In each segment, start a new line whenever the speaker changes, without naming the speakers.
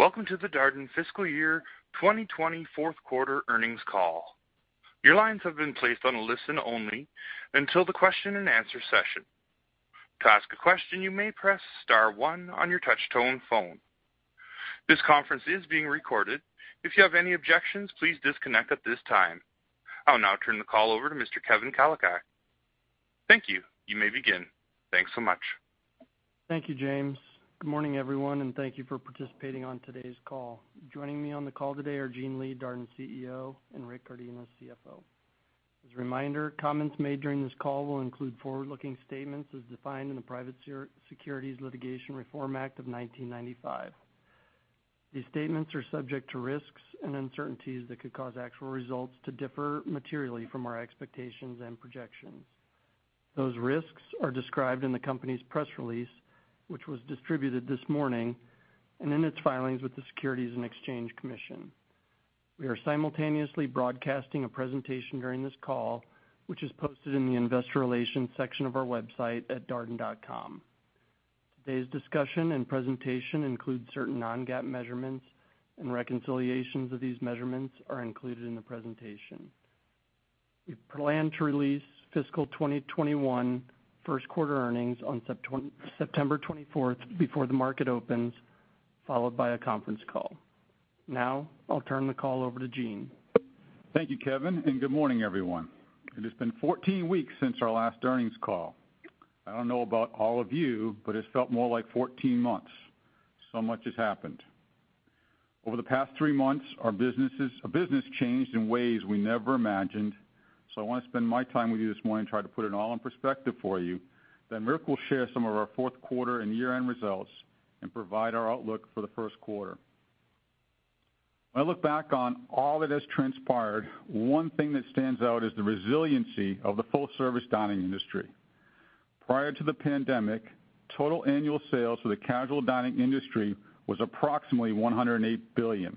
Welcome to the Darden fiscal year 2020 fourth quarter earnings call. Your lines have been placed on listen-only until the question-and-answer session. To ask a question, you may press star one on your touch-tone phone. This conference is being recorded. If you have any objections, please disconnect at this time. I'll now turn the call over to Mr. Kevin Kalicak. Thank you. You may begin. Thanks so much.
Thank you, James. Good morning, everyone, and thank you for participating on today's call. Joining me on the call today are Gene Lee, Darden CEO, and Rick Cardenas, CFO. As a reminder, comments made during this call will include forward-looking statements as defined in the Private Securities Litigation Reform Act of 1995. These statements are subject to risks and uncertainties that could cause actual results to differ materially from our expectations and projections. Those risks are described in the company's press release, which was distributed this morning, and in its filings with the Securities and Exchange Commission. We are simultaneously broadcasting a presentation during this call, which is posted in the investor relations section of our website at darden.com. Today's discussion and presentation includes certain non-GAAP measurements and reconciliations of these measurements are included in the presentation. We plan to release fiscal 2021 first quarter earnings on September 24th before the market opens, followed by a conference call. Now, I'll turn the call over to Gene.
Thank you, Kevin. Good morning, everyone. It has been 14 weeks since our last earnings call. I don't know about all of you, but it felt more like 14 months. So much has happened. Over the past three months, our business changed in ways we never imagined. I want to spend my time with you this morning trying to put it all in perspective for you. Rick will share some of our fourth quarter and year-end results and provide our outlook for the first quarter. When I look back on all that has transpired, one thing that stands out is the resiliency of the full-service dining industry. Prior to the pandemic, total annual sales for the casual dining industry was approximately $108 billion.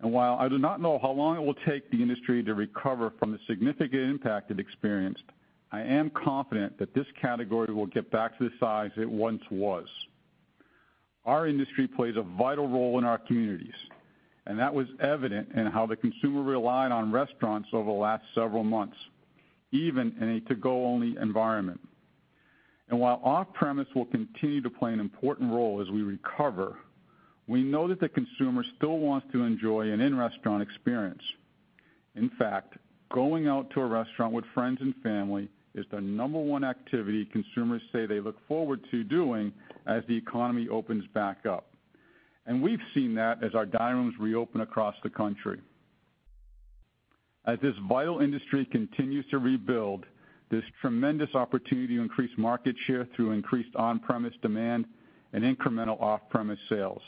While I do not know how long it will take the industry to recover from the significant impact it experienced, I am confident that this category will get back to the size it once was. Our industry plays a vital role in our communities, and that was evident in how the consumer relied on restaurants over the last several months, even in a to-go only environment. While off-premise will continue to play an important role as we recover, we know that the consumer still wants to enjoy an in-restaurant experience. In fact, going out to a restaurant with friends and family is the number one activity consumers say they look forward to doing as the economy opens back up. We've seen that as our dining rooms reopen across the country. As this vital industry continues to rebuild, there's tremendous opportunity to increase market share through increased on-premise demand and incremental off-premise sales.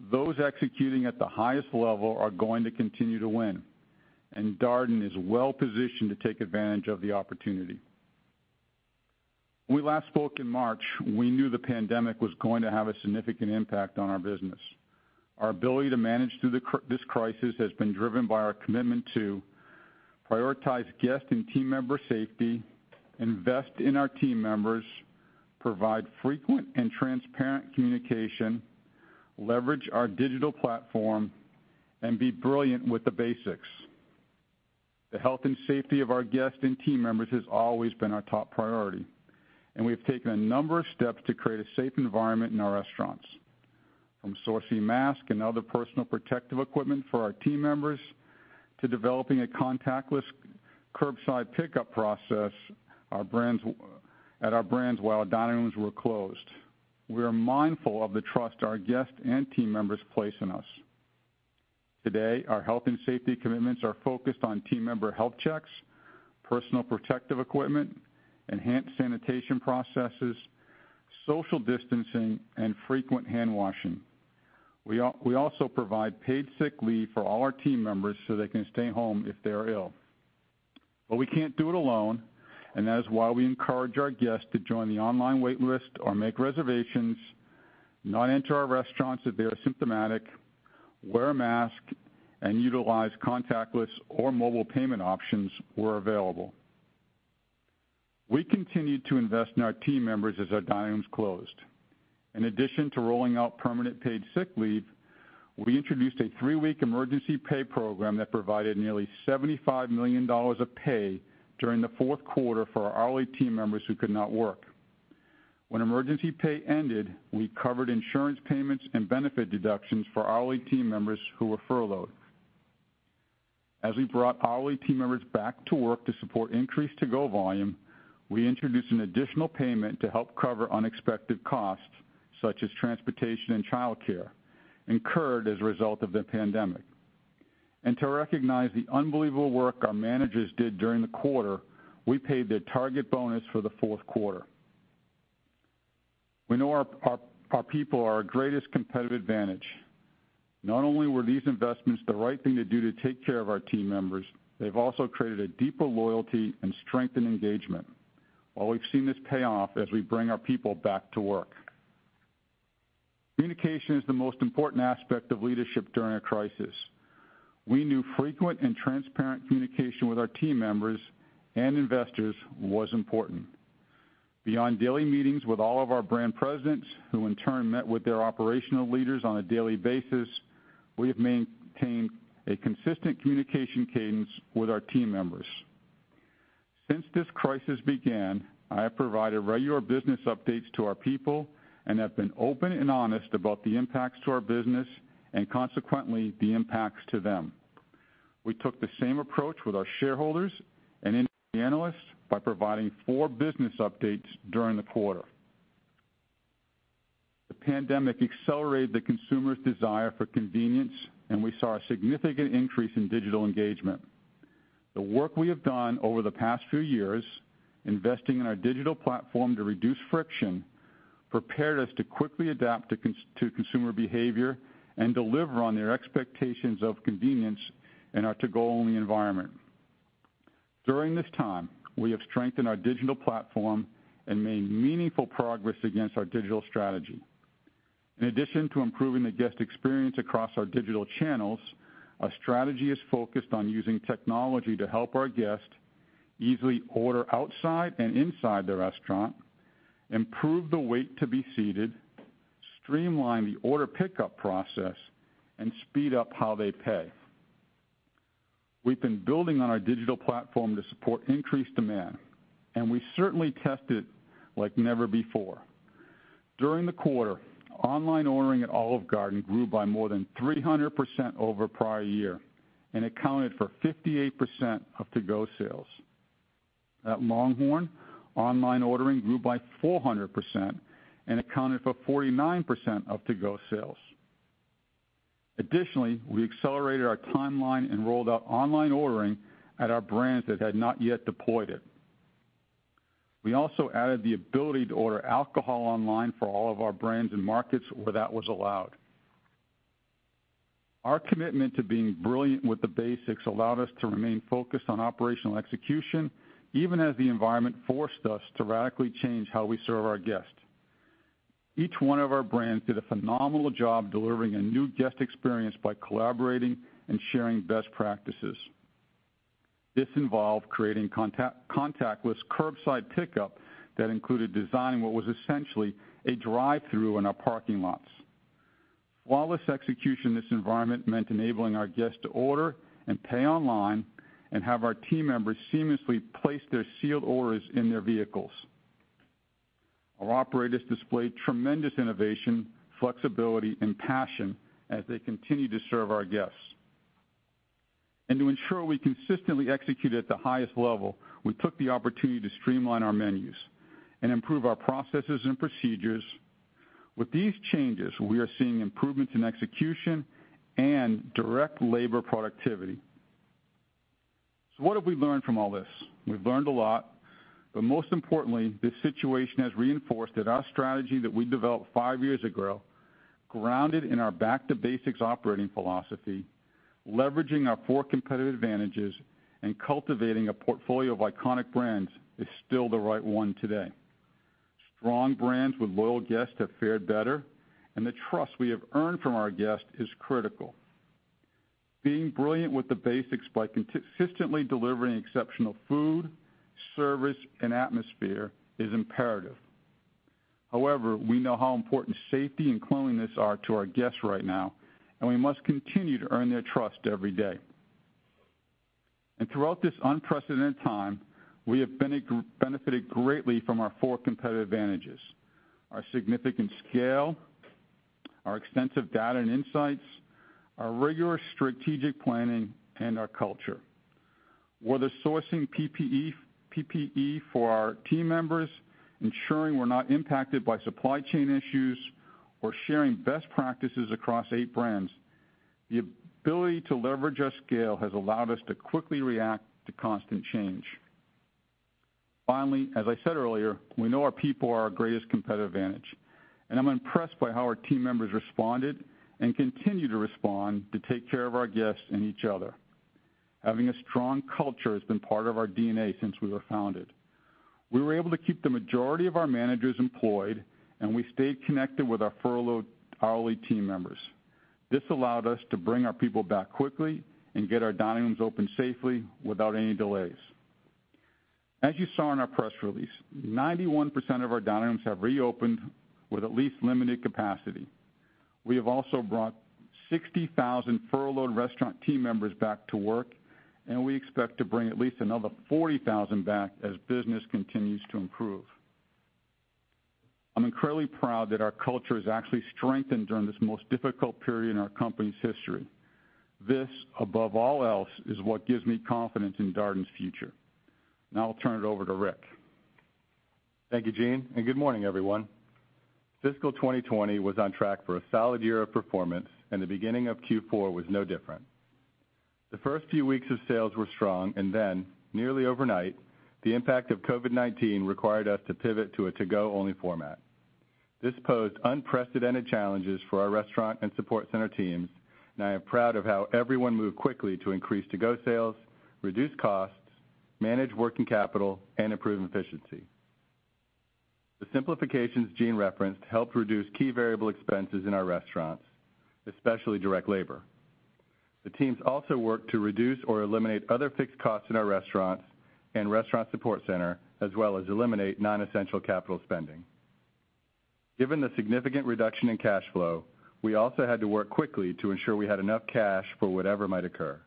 Those executing at the highest level are going to continue to win, and Darden is well positioned to take advantage of the opportunity. When we last spoke in March, we knew the pandemic was going to have a significant impact on our business. Our ability to manage through this crisis has been driven by our commitment to prioritize guest and team member safety, invest in our team members, provide frequent and transparent communication, leverage our digital platform, and be brilliant with the basics. The health and safety of our guests and team members has always been our top priority. We have taken a number of steps to create a safe environment in our restaurants, from sourcing masks and other personal protective equipment for our team members to developing a contactless curbside pickup process at our brands while our dining rooms were closed. We are mindful of the trust our guests and team members place in us. Today, our health and safety commitments are focused on team member health checks, personal protective equipment, enhanced sanitation processes, social distancing, and frequent handwashing. We also provide paid sick leave for all our team members so they can stay home if they are ill. We can't do it alone, and that is why we encourage our guests to join the online wait list or make reservations, not enter our restaurants if they are symptomatic, wear a mask, and utilize contactless or mobile payment options where available. We continued to invest in our team members as our dining rooms closed. In addition to rolling out permanent paid sick leave, we introduced a three-week emergency pay program that provided nearly $75 million of pay during the fourth quarter for our hourly team members who could not work. When emergency pay ended, we covered insurance payments and benefit deductions for hourly team members who were furloughed. As we brought hourly team members back to work to support increased to-go volume, we introduced an additional payment to help cover unexpected costs, such as transportation and childcare, incurred as a result of the pandemic. To recognize the unbelievable work our managers did during the quarter, we paid their target bonus for the fourth quarter. We know our people are our greatest competitive advantage. Not only were these investments the right thing to do to take care of our team members, they've also created a deeper loyalty and strengthened engagement, while we've seen this pay off as we bring our people back to work. Communication is the most important aspect of leadership during a crisis. We knew frequent and transparent communication with our team members and investors was important. Beyond daily meetings with all of our brand presidents, who in turn met with their operational leaders on a daily basis, we have maintained a consistent communication cadence with our team members. Since this crisis began, I have provided regular business updates to our people and have been open and honest about the impacts to our business and consequently, the impacts to them. We took the same approach with our shareholders and the analysts by providing four business updates during the quarter. The pandemic accelerated the consumer's desire for convenience, and we saw a significant increase in digital engagement. The work we have done over the past few years, investing in our digital platform to reduce friction, prepared us to quickly adapt to consumer behavior and deliver on their expectations of convenience in our to-go only environment. During this time, we have strengthened our digital platform and made meaningful progress against our digital strategy. In addition to improving the guest experience across our digital channels, our strategy is focused on using technology to help our guests easily order outside and inside the restaurant, improve the wait to be seated, streamline the order pickup process, and speed up how they pay. We've been building on our digital platform to support increased demand, and we certainly test it like never before. During the quarter, online ordering at Olive Garden grew by more than 300% over prior year and accounted for 58% of to-go sales. At LongHorn, online ordering grew by 400% and accounted for 49% of to-go sales. Additionally, we accelerated our timeline and rolled out online ordering at our brands that had not yet deployed it. We also added the ability to order alcohol online for all of our brands and markets where that was allowed. Our commitment to being brilliant with the basics allowed us to remain focused on operational execution, even as the environment forced us to radically change how we serve our guests. Each one of our brands did a phenomenal job delivering a new guest experience by collaborating and sharing best practices. This involved creating contactless curbside pickup that included designing what was essentially a drive-thru in our parking lots. Flawless execution in this environment meant enabling our guests to order and pay online and have our team members seamlessly place their sealed orders in their vehicles. Our operators displayed tremendous innovation, flexibility, and passion as they continued to serve our guests. To ensure we consistently execute at the highest level, we took the opportunity to streamline our menus and improve our processes and procedures. With these changes, we are seeing improvements in execution and direct labor productivity. What have we learned from all this? We've learned a lot, but most importantly, this situation has reinforced that our strategy that we developed five years ago, grounded in our back to basics operating philosophy, leveraging our four competitive advantages, and cultivating a portfolio of iconic brands, is still the right one today. Strong brands with loyal guests have fared better, and the trust we have earned from our guests is critical. Being brilliant with the basics by consistently delivering exceptional food, service, and atmosphere is imperative. However, we know how important safety and cleanliness are to our guests right now, and we must continue to earn their trust every day. Throughout this unprecedented time, we have benefited greatly from our four competitive advantages, our significant scale, our extensive data and insights, our rigorous strategic planning, and our culture. Whether sourcing PPE for our team members, ensuring we're not impacted by supply chain issues, or sharing best practices across eight brands, the ability to leverage our scale has allowed us to quickly react to constant change. Finally, as I said earlier, we know our people are our greatest competitive advantage, and I'm impressed by how our team members responded and continue to respond to take care of our guests and each other. Having a strong culture has been part of our DNA since we were founded. We were able to keep the majority of our managers employed, and we stayed connected with our furloughed hourly team members. This allowed us to bring our people back quickly and get our dining rooms open safely without any delays. As you saw in our press release, 91% of our dining rooms have reopened with at least limited capacity. We have also brought 60,000 furloughed restaurant team members back to work, and we expect to bring at least another 40,000 back as business continues to improve. I'm incredibly proud that our culture has actually strengthened during this most difficult period in our company's history. This, above all else, is what gives me confidence in Darden's future. Now I'll turn it over to Rick.
Thank you, Gene, and good morning, everyone. Fiscal 2020 was on track for a solid year of performance. The beginning of Q4 was no different. The first few weeks of sales were strong. Then nearly overnight, the impact of COVID-19 required us to pivot to a to-go only format. This posed unprecedented challenges for our restaurant and support center teams. I am proud of how everyone moved quickly to increase to-go sales, reduce costs, manage working capital, and improve efficiency. The simplifications Gene referenced helped reduce key variable expenses in our restaurants, especially direct labor. The teams also worked to reduce or eliminate other fixed costs in our restaurants and restaurant support center, as well as eliminate non-essential capital spending. Given the significant reduction in cash flow, we also had to work quickly to ensure we had enough cash for whatever might occur.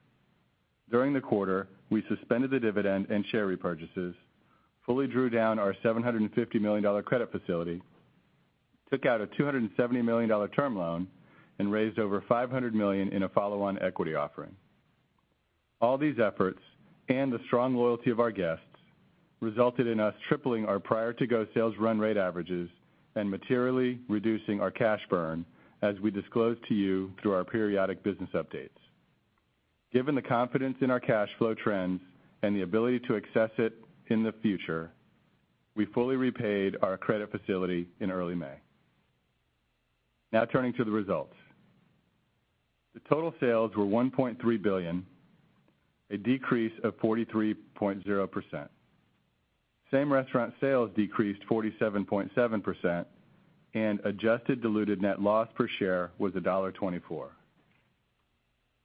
During the quarter, we suspended the dividend and share repurchases, fully drew down our $750 million credit facility, took out a $270 million term loan, and raised over $500 million in a follow-on equity offering. All these efforts and the strong loyalty of our guests resulted in us tripling our prior to-go sales run rate averages and materially reducing our cash burn as we disclosed to you through our periodic business updates. Given the confidence in our cash flow trends and the ability to access it in the future, we fully repaid our credit facility in early May. Now turning to the results. The total sales were $1.3 billion, a decrease of 43.0%. Same restaurant sales decreased 47.7%, and adjusted diluted net loss per share was $1.24.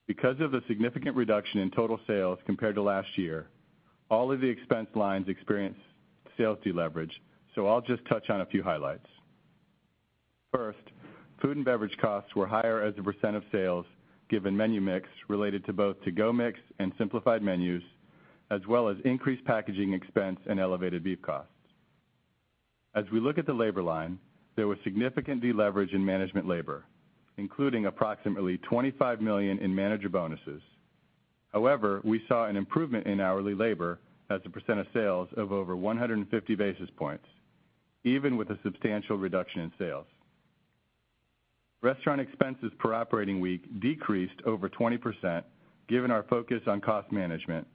Because of the significant reduction in total sales compared to last year, all of the expense lines experienced sales deleverage, so I'll just touch on a few highlights. First, food and beverage costs were higher as a percent of sales given menu mix related to both to-go mix and simplified menus, as well as increased packaging expense and elevated beef costs. As we look at the labor line, there was significant deleverage in management labor, including approximately $25 million in manager bonuses. However, we saw an improvement in hourly labor as a percent of sales of over 150 basis points, even with a substantial reduction in sales. Restaurant expenses per operating week decreased over 20% given our focus on cost management,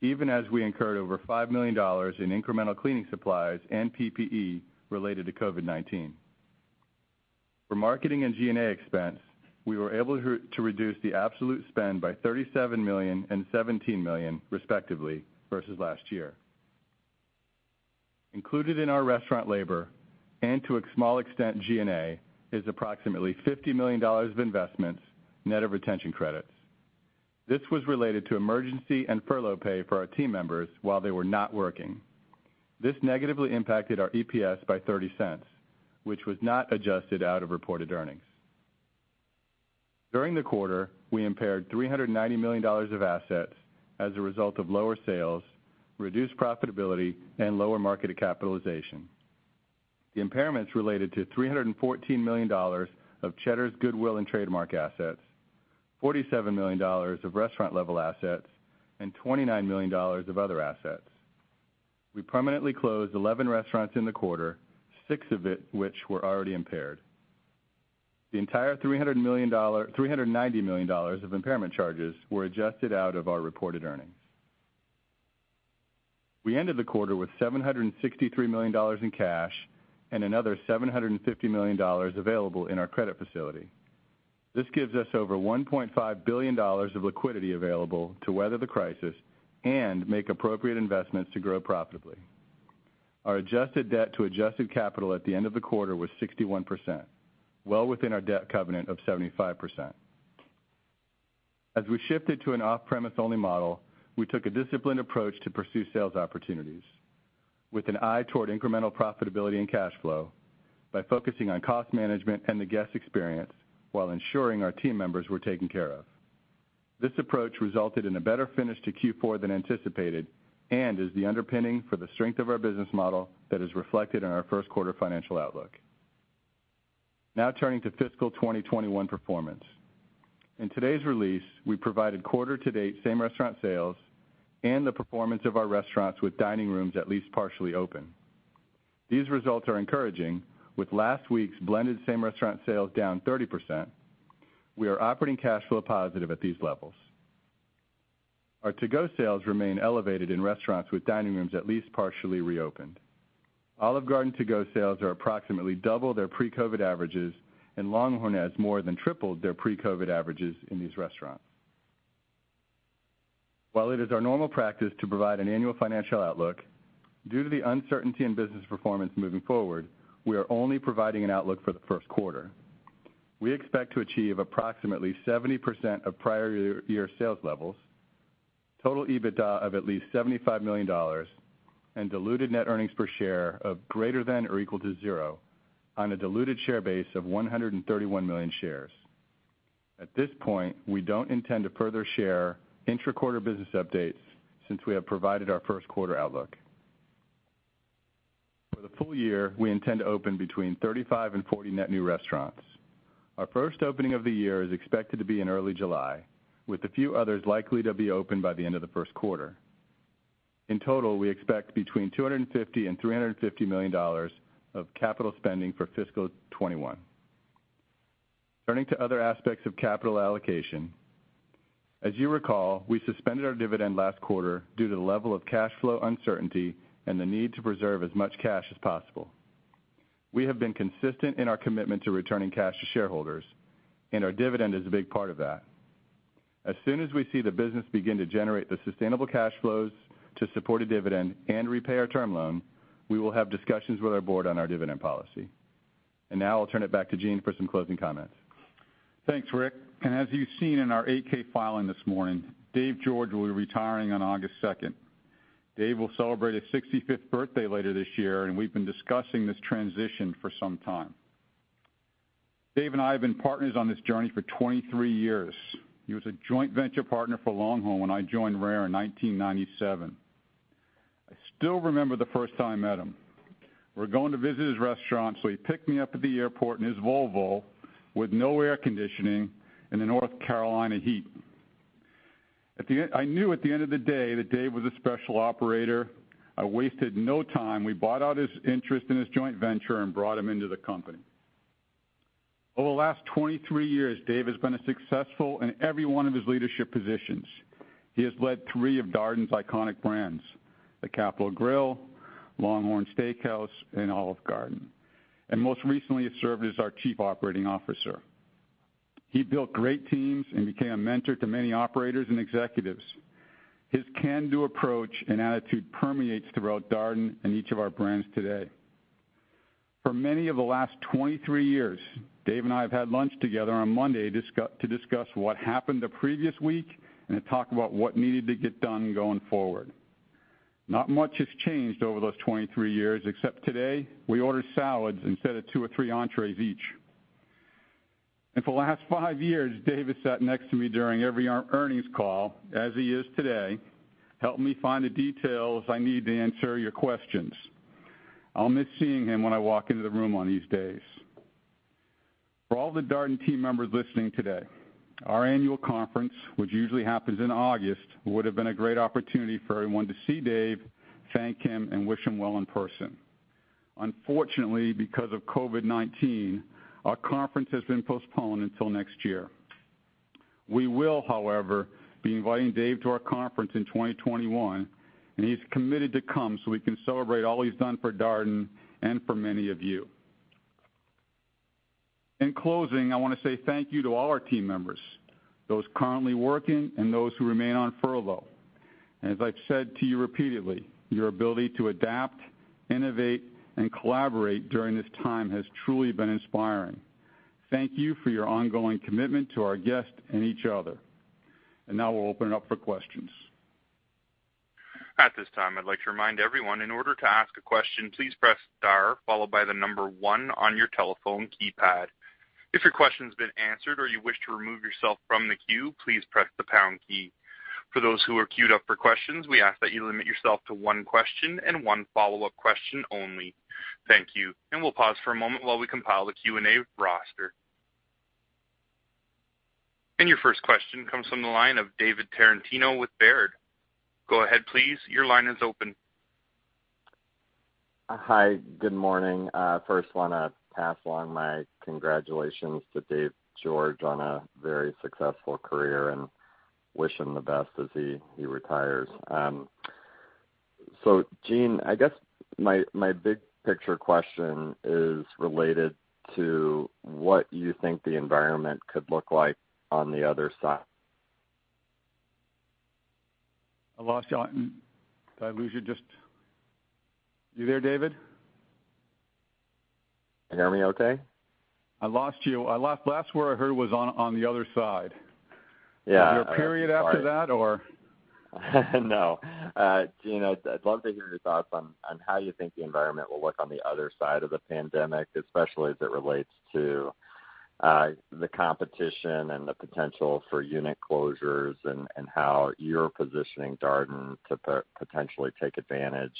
even as we incurred over $5 million in incremental cleaning supplies and PPE related to COVID-19. For marketing and G&A expense, we were able to reduce the absolute spend by $37 million and $17 million, respectively, versus last year. Included in our restaurant labor and to a small extent G&A, is approximately $50 million of investments, net of retention credits. This was related to emergency and furlough pay for our team members while they were not working. This negatively impacted our EPS by $0.30, which was not adjusted out of reported earnings. During the quarter, we impaired $390 million of assets as a result of lower sales, reduced profitability, and lower market capitalization. The impairments related to $314 million of Cheddar's goodwill and trademark assets, $47 million of restaurant-level assets, and $29 million of other assets. We permanently closed 11 restaurants in the quarter, six of it, which were already impaired. The entire $390 million of impairment charges were adjusted out of our reported earnings. We ended the quarter with $763 million in cash and another $750 million available in our credit facility. This gives us over $1.5 billion of liquidity available to weather the crisis and make appropriate investments to grow profitably. Our adjusted debt to adjusted capital at the end of the quarter was 61%, well within our debt covenant of 75%. As we shifted to an off-premise only model, we took a disciplined approach to pursue sales opportunities with an eye toward incremental profitability and cash flow by focusing on cost management and the guest experience while ensuring our team members were taken care of. This approach resulted in a better finish to Q4 than anticipated and is the underpinning for the strength of our business model that is reflected in our first quarter financial outlook. Turning to fiscal 2021 performance. In today's release, we provided quarter-to-date same restaurant sales and the performance of our restaurants with dining rooms at least partially open. These results are encouraging with last week's blended same restaurant sales down 30%. We are operating cash flow positive at these levels. Our to-go sales remain elevated in restaurants with dining rooms at least partially reopened. Olive Garden to-go sales are approximately double their pre-COVID averages, and LongHorn has more than tripled their pre-COVID averages in these restaurants. While it is our normal practice to provide an annual financial outlook, due to the uncertainty in business performance moving forward, we are only providing an outlook for the first quarter. We expect to achieve approximately 70% of prior year sales levels, total EBITDA of at least $75 million, and diluted net earnings per share of greater than or equal to zero on a diluted share base of 131 million shares. At this point, we don't intend to further share intra-quarter business updates since we have provided our first quarter outlook. For the full year, we intend to open between 35 and 40 net new restaurants. Our first opening of the year is expected to be in early July, with a few others likely to be open by the end of the first quarter. In total, we expect between $250 million and $350 million of capital spending for fiscal 2021. Turning to other aspects of capital allocation. As you recall, we suspended our dividend last quarter due to the level of cash flow uncertainty and the need to preserve as much cash as possible. We have been consistent in our commitment to returning cash to shareholders, and our dividend is a big part of that. As soon as we see the business begin to generate the sustainable cash flows to support a dividend and repay our term loan, we will have discussions with our board on our dividend policy. Now I'll turn it back to Gene for some closing comments.
Thanks, Rick. As you've seen in our 8-K filing this morning, Dave George will be retiring on August 2nd. Dave will celebrate his 65th birthday later this year, and we've been discussing this transition for some time. Dave and I have been partners on this journey for 23 years. He was a joint venture partner for LongHorn when I joined RARE in 1997. I still remember the first time I met him. We were going to visit his restaurant, he picked me up at the airport in his Volvo with no air conditioning in the North Carolina heat. I knew at the end of the day that Dave was a special operator. I wasted no time. We bought out his interest in his joint venture and brought him into the company. Over the last 23 years, Dave has been successful in every one of his leadership positions. He has led three of Darden's iconic brands, The Capital Grille, LongHorn Steakhouse, and Olive Garden, and most recently has served as our Chief Operating Officer. He built great teams and became a mentor to many operators and executives. His can-do approach and attitude permeates throughout Darden and each of our brands today. For many of the last 23 years, Dave and I have had lunch together on Monday to discuss what happened the previous week and to talk about what needed to get done going forward. Not much has changed over those 23 years except today, we order salads instead of two or three entrees each. For the last five years, Dave has sat next to me during every earnings call, as he is today, helping me find the details I need to answer your questions. I'll miss seeing him when I walk into the room on these days. For all the Darden team members listening today, our annual conference, which usually happens in August, would've been a great opportunity for everyone to see Dave, thank him, and wish him well in person. Unfortunately, because of COVID-19, our conference has been postponed until next year. We will, however, be inviting Dave to our conference in 2021, and he's committed to come so we can celebrate all he's done for Darden and for many of you. In closing, I want to say thank you to all our team members, those currently working and those who remain on furlough. As I've said to you repeatedly, your ability to adapt, innovate, and collaborate during this time has truly been inspiring. Thank you for your ongoing commitment to our guests and each other. Now we'll open it up for questions.
At this time, I'd like to remind everyone, in order to ask a question, please press star followed by the number one on your telephone keypad. If your question's been answered or you wish to remove yourself from the queue, please press the pound key. For those who are queued up for questions, we ask that you limit yourself to one question and one follow-up question only. Thank you. We'll pause for a moment while we compile the Q&A roster. Your first question comes from the line of David Tarantino with Baird. Go ahead, please. Your line is open.
Hi. Good morning. I first want to pass along my congratulations to Dave George on a very successful career and wish him the best as he retires. Gene, I guess my big picture question is related to what you think the environment could look like on the other side.
I lost you. Did I lose you? You there, David?
Can you hear me okay?
I lost you. Last word I heard was on the other side.
Yeah.
Is there a period after that or?
No. Gene, I'd love to hear your thoughts on how you think the environment will look on the other side of the pandemic, especially as it relates to the competition and the potential for unit closures and how you're positioning Darden to potentially take advantage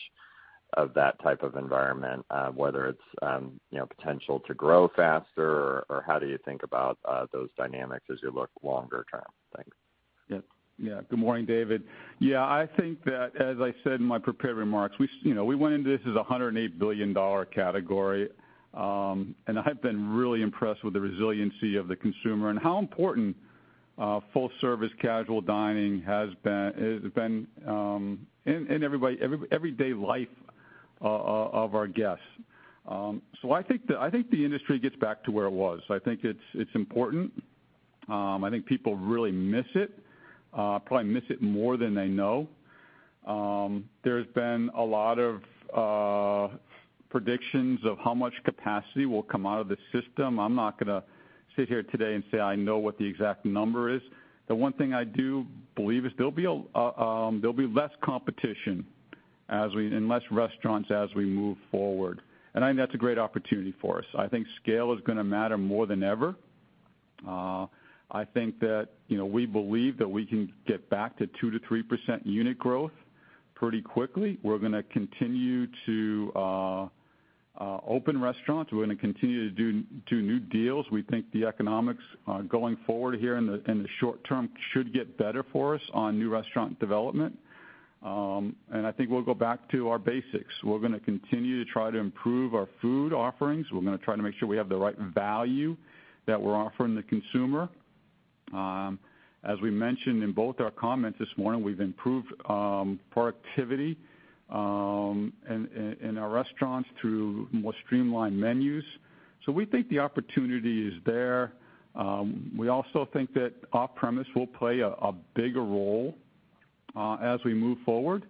of that type of environment, whether it's potential to grow faster or how do you think about those dynamics as you look longer term? Thanks.
Yeah. Good morning, David. Yeah. I think that, as I said in my prepared remarks, we went into this as a $108 billion category. I've been really impressed with the resiliency of the consumer and how important full-service casual dining has been in everyday life of our guests. I think the industry gets back to where it was. I think it's important. I think people really miss it, probably miss it more than they know. There's been a lot of predictions of how much capacity will come out of the system. I'm not going to sit here today and say I know what the exact number is. The one thing I do believe is there'll be less competition and less restaurants as we move forward, and I think that's a great opportunity for us. I think scale is going to matter more than ever. I think that we believe that we can get back to 2%-3% unit growth pretty quickly. We're going to continue to open restaurants. We're going to continue to do new deals. We think the economics going forward here in the short term should get better for us on new restaurant development. I think we'll go back to our basics. We're going to continue to try to improve our food offerings. We're going to try to make sure we have the right value that we're offering the consumer. As we mentioned in both our comments this morning, we've improved productivity in our restaurants through more streamlined menus. We think the opportunity is there. We also think that off-premise will play a bigger role. As we move forward,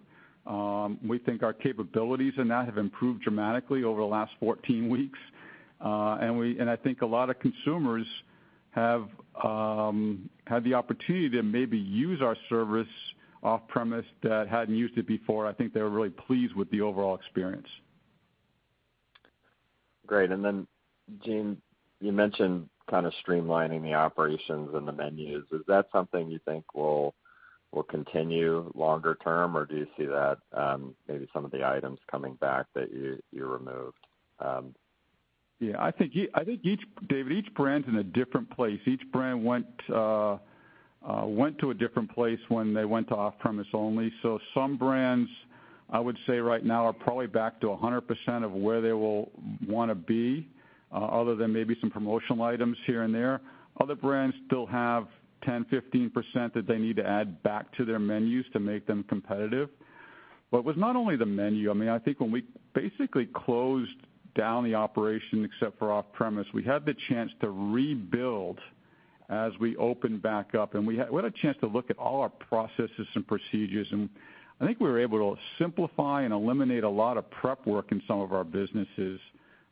we think our capabilities in that have improved dramatically over the last 14 weeks. I think a lot of consumers have had the opportunity to maybe use our service off-premise that hadn't used it before. I think they were really pleased with the overall experience.
Great. Then Gene, you mentioned streamlining the operations and the menus. Is that something you think will continue longer term, or do you see that maybe some of the items coming back that you removed?
I think, David, each brand's in a different place. Each brand went to a different place when they went to off-premise only. Some brands, I would say right now, are probably back to 100% of where they will want to be, other than maybe some promotional items here and there. Other brands still have 10%, 15% that they need to add back to their menus to make them competitive. It was not only the menu. I think when we basically closed down the operation, except for off-premise, we had the chance to rebuild as we opened back up. We had a chance to look at all our processes and procedures, and I think we were able to simplify and eliminate a lot of prep work in some of our businesses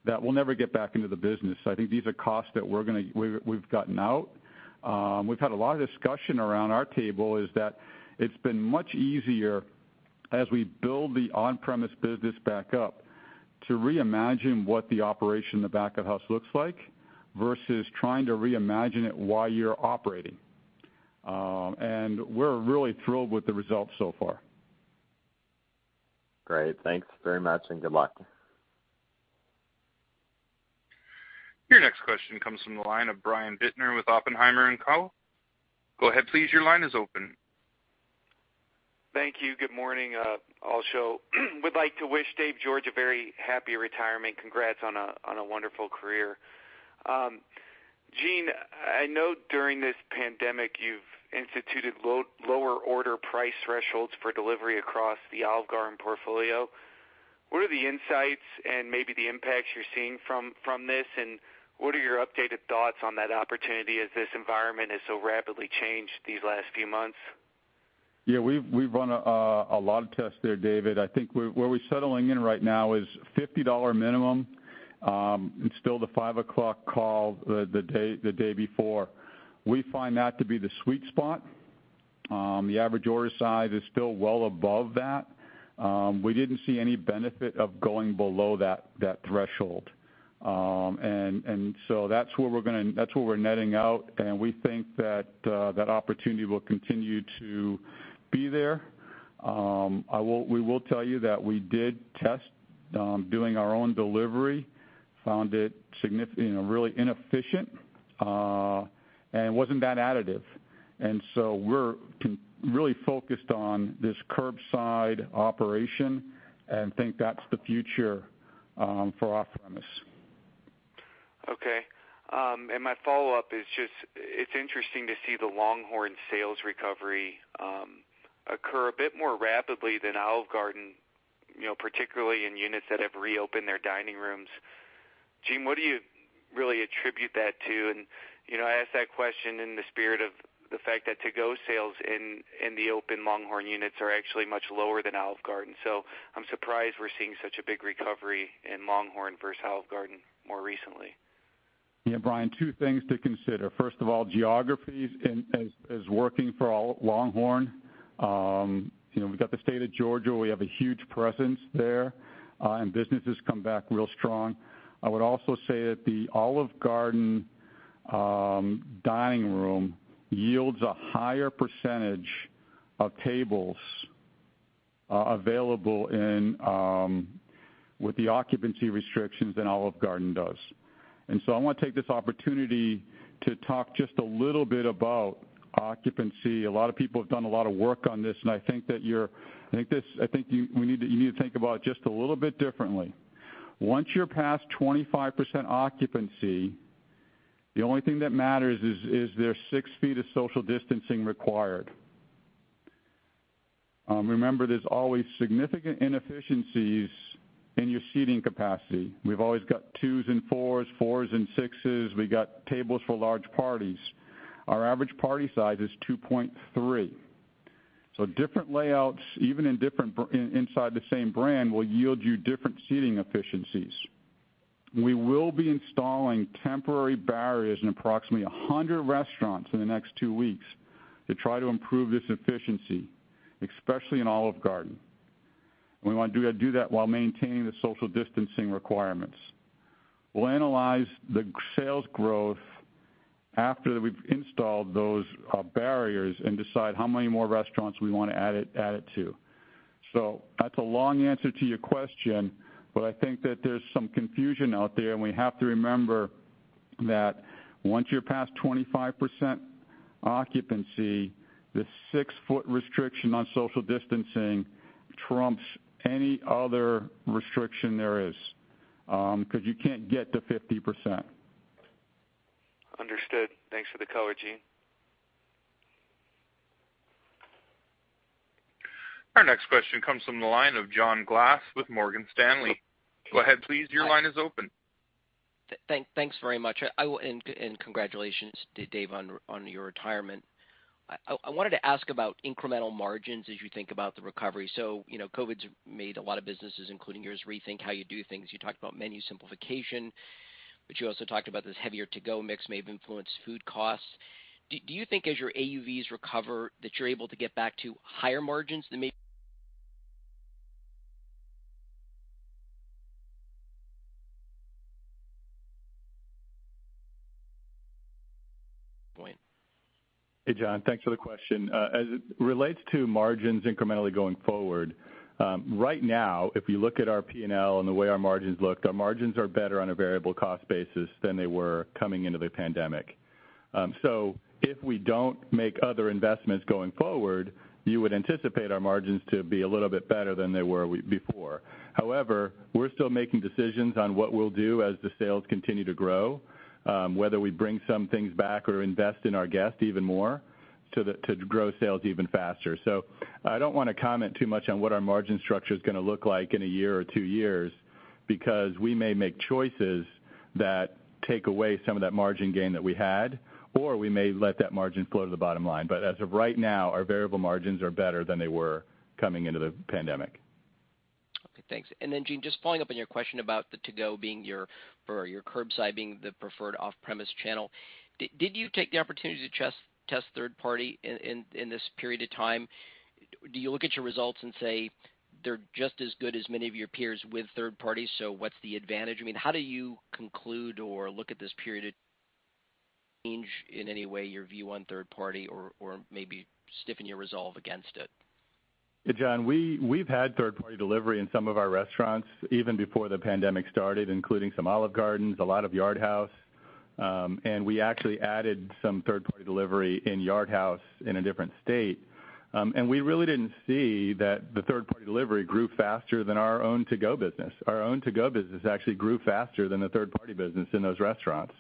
that will never get back into the business. I think these are costs that we've gotten out. We've had a lot of discussion around our table is that it's been much easier as we build the on-premise business back up to reimagine what the operation in the back of house looks like versus trying to reimagine it while you're operating. We're really thrilled with the results so far.
Great. Thanks very much, and good luck.
Your next question comes from the line of Brian Bittner with Oppenheimer & Co. Go ahead, please. Your line is open.
Thank you. Good morning. Also, would like to wish Dave George a very happy retirement. Congrats on a wonderful career. Gene, I know during this pandemic you've instituted lower order price thresholds for delivery across the Olive Garden portfolio. What are the insights and maybe the impacts you're seeing from this, and what are your updated thoughts on that opportunity as this environment has so rapidly changed these last few months?
Yeah, we've run a lot of tests there, Brian. I think where we're settling in right now is $50 minimum. It's still the 5:00 call the day before. We find that to be the sweet spot. The average order size is still well above that. We didn't see any benefit of going below that threshold. That's where we're netting out, and we think that that opportunity will continue to be there. We will tell you that we did test doing our own delivery, found it really inefficient, and it wasn't that additive. We're really focused on this curbside operation and think that's the future for off-premise.
Okay. My follow-up is just, it's interesting to see the LongHorn sales recovery occur a bit more rapidly than Olive Garden, particularly in units that have reopened their dining rooms. Gene, what do you really attribute that to? I ask that question in the spirit of the fact that to-go sales in the open LongHorn units are actually much lower than Olive Garden. I'm surprised we're seeing such a big recovery in LongHorn versus Olive Garden more recently.
Yeah, Brian, two things to consider. First of all, geographies is working for LongHorn. We've got the state of Georgia. We have a huge presence there, and business has come back real strong. I would also say that the Olive Garden dining room yields a higher percentage of tables available with the occupancy restrictions than Olive Garden does. I want to take this opportunity to talk just a little bit about occupancy. A lot of people have done a lot of work on this, and I think you need to think about it just a little bit differently. Once you're past 25% occupancy, the only thing that matters is there six feet of social distancing required. Remember, there's always significant inefficiencies in your seating capacity. We've always got twos and fours and sixes. We got tables for large parties. Our average party size is 2.3. Different layouts, even inside the same brand, will yield you different seating efficiencies. We will be installing temporary barriers in approximately 100 restaurants in the next two weeks to try to improve this efficiency, especially in Olive Garden. We want to do that while maintaining the social distancing requirements. We'll analyze the sales growth after we've installed those barriers and decide how many more restaurants we want to add it to. That's a long answer to your question, but I think that there's some confusion out there, and we have to remember that once you're past 25% occupancy, the six-foot restriction on social distancing trumps any other restriction there is, because you can't get to 50%.
Understood. Thanks for the color, Gene.
Our next question comes from the line of John Glass with Morgan Stanley. Go ahead, please. Your line is open.
Thanks very much. Congratulations to Dave, on your retirement. I wanted to ask about incremental margins as you think about the recovery. COVID's made a lot of businesses, including yours, rethink how you do things. You talked about menu simplification, but you also talked about this heavier to-go mix may have influenced food costs. Do you think as your AUVs recover, that you're able to get back to higher margins than maybe?
Hey, John. Thanks for the question. As it relates to margins incrementally going forward, right now, if you look at our P&L and the way our margins look, our margins are better on a variable cost basis than they were coming into the pandemic. If we don't make other investments going forward, you would anticipate our margins to be a little bit better than they were before. However, we're still making decisions on what we'll do as the sales continue to grow, whether we bring some things back or invest in our guests even more to grow sales even faster. I don't want to comment too much on what our margin structure's going to look like in a year or two years, because we may make choices that take away some of that margin gain that we had, or we may let that margin flow to the bottom line. As of right now, our variable margins are better than they were coming into the pandemic.
Okay, thanks. Gene, just following up on your question about the to-go or your curbside being the preferred off-premise channel. Did you take the opportunity to test third party in this period of time? Do you look at your results and say they're just as good as many of your peers with third party, so what's the advantage? How do you conclude or look at this period change in any way your view on third party or maybe stiffen your resolve against it?
Hey, John, we've had third party delivery in some of our restaurants, even before the pandemic started, including some Olive Gardens, a lot of Yard House. We actually added some third-party delivery in Yard House in a different state. We really didn't see that the third-party delivery grew faster than our own to-go business. Our own to-go business actually grew faster than the third-party business in those restaurants.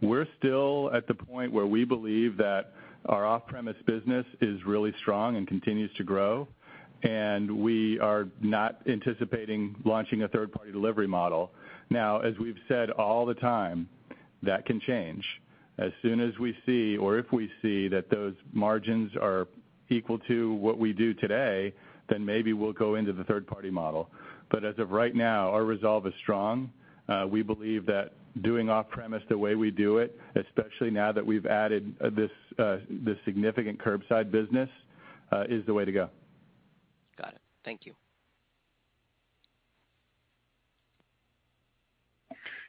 We're still at the point where we believe that our off-premise business is really strong and continues to grow, and we are not anticipating launching a third party delivery model. Now, as we've said all the time, that can change. As soon as we see, or if we see that those margins are equal to what we do today, then maybe we'll go into the third-party model. As of right now, our resolve is strong. We believe that doing off-premise the way we do it, especially now that we've added this significant curbside business, is the way to go.
Got it. Thank you.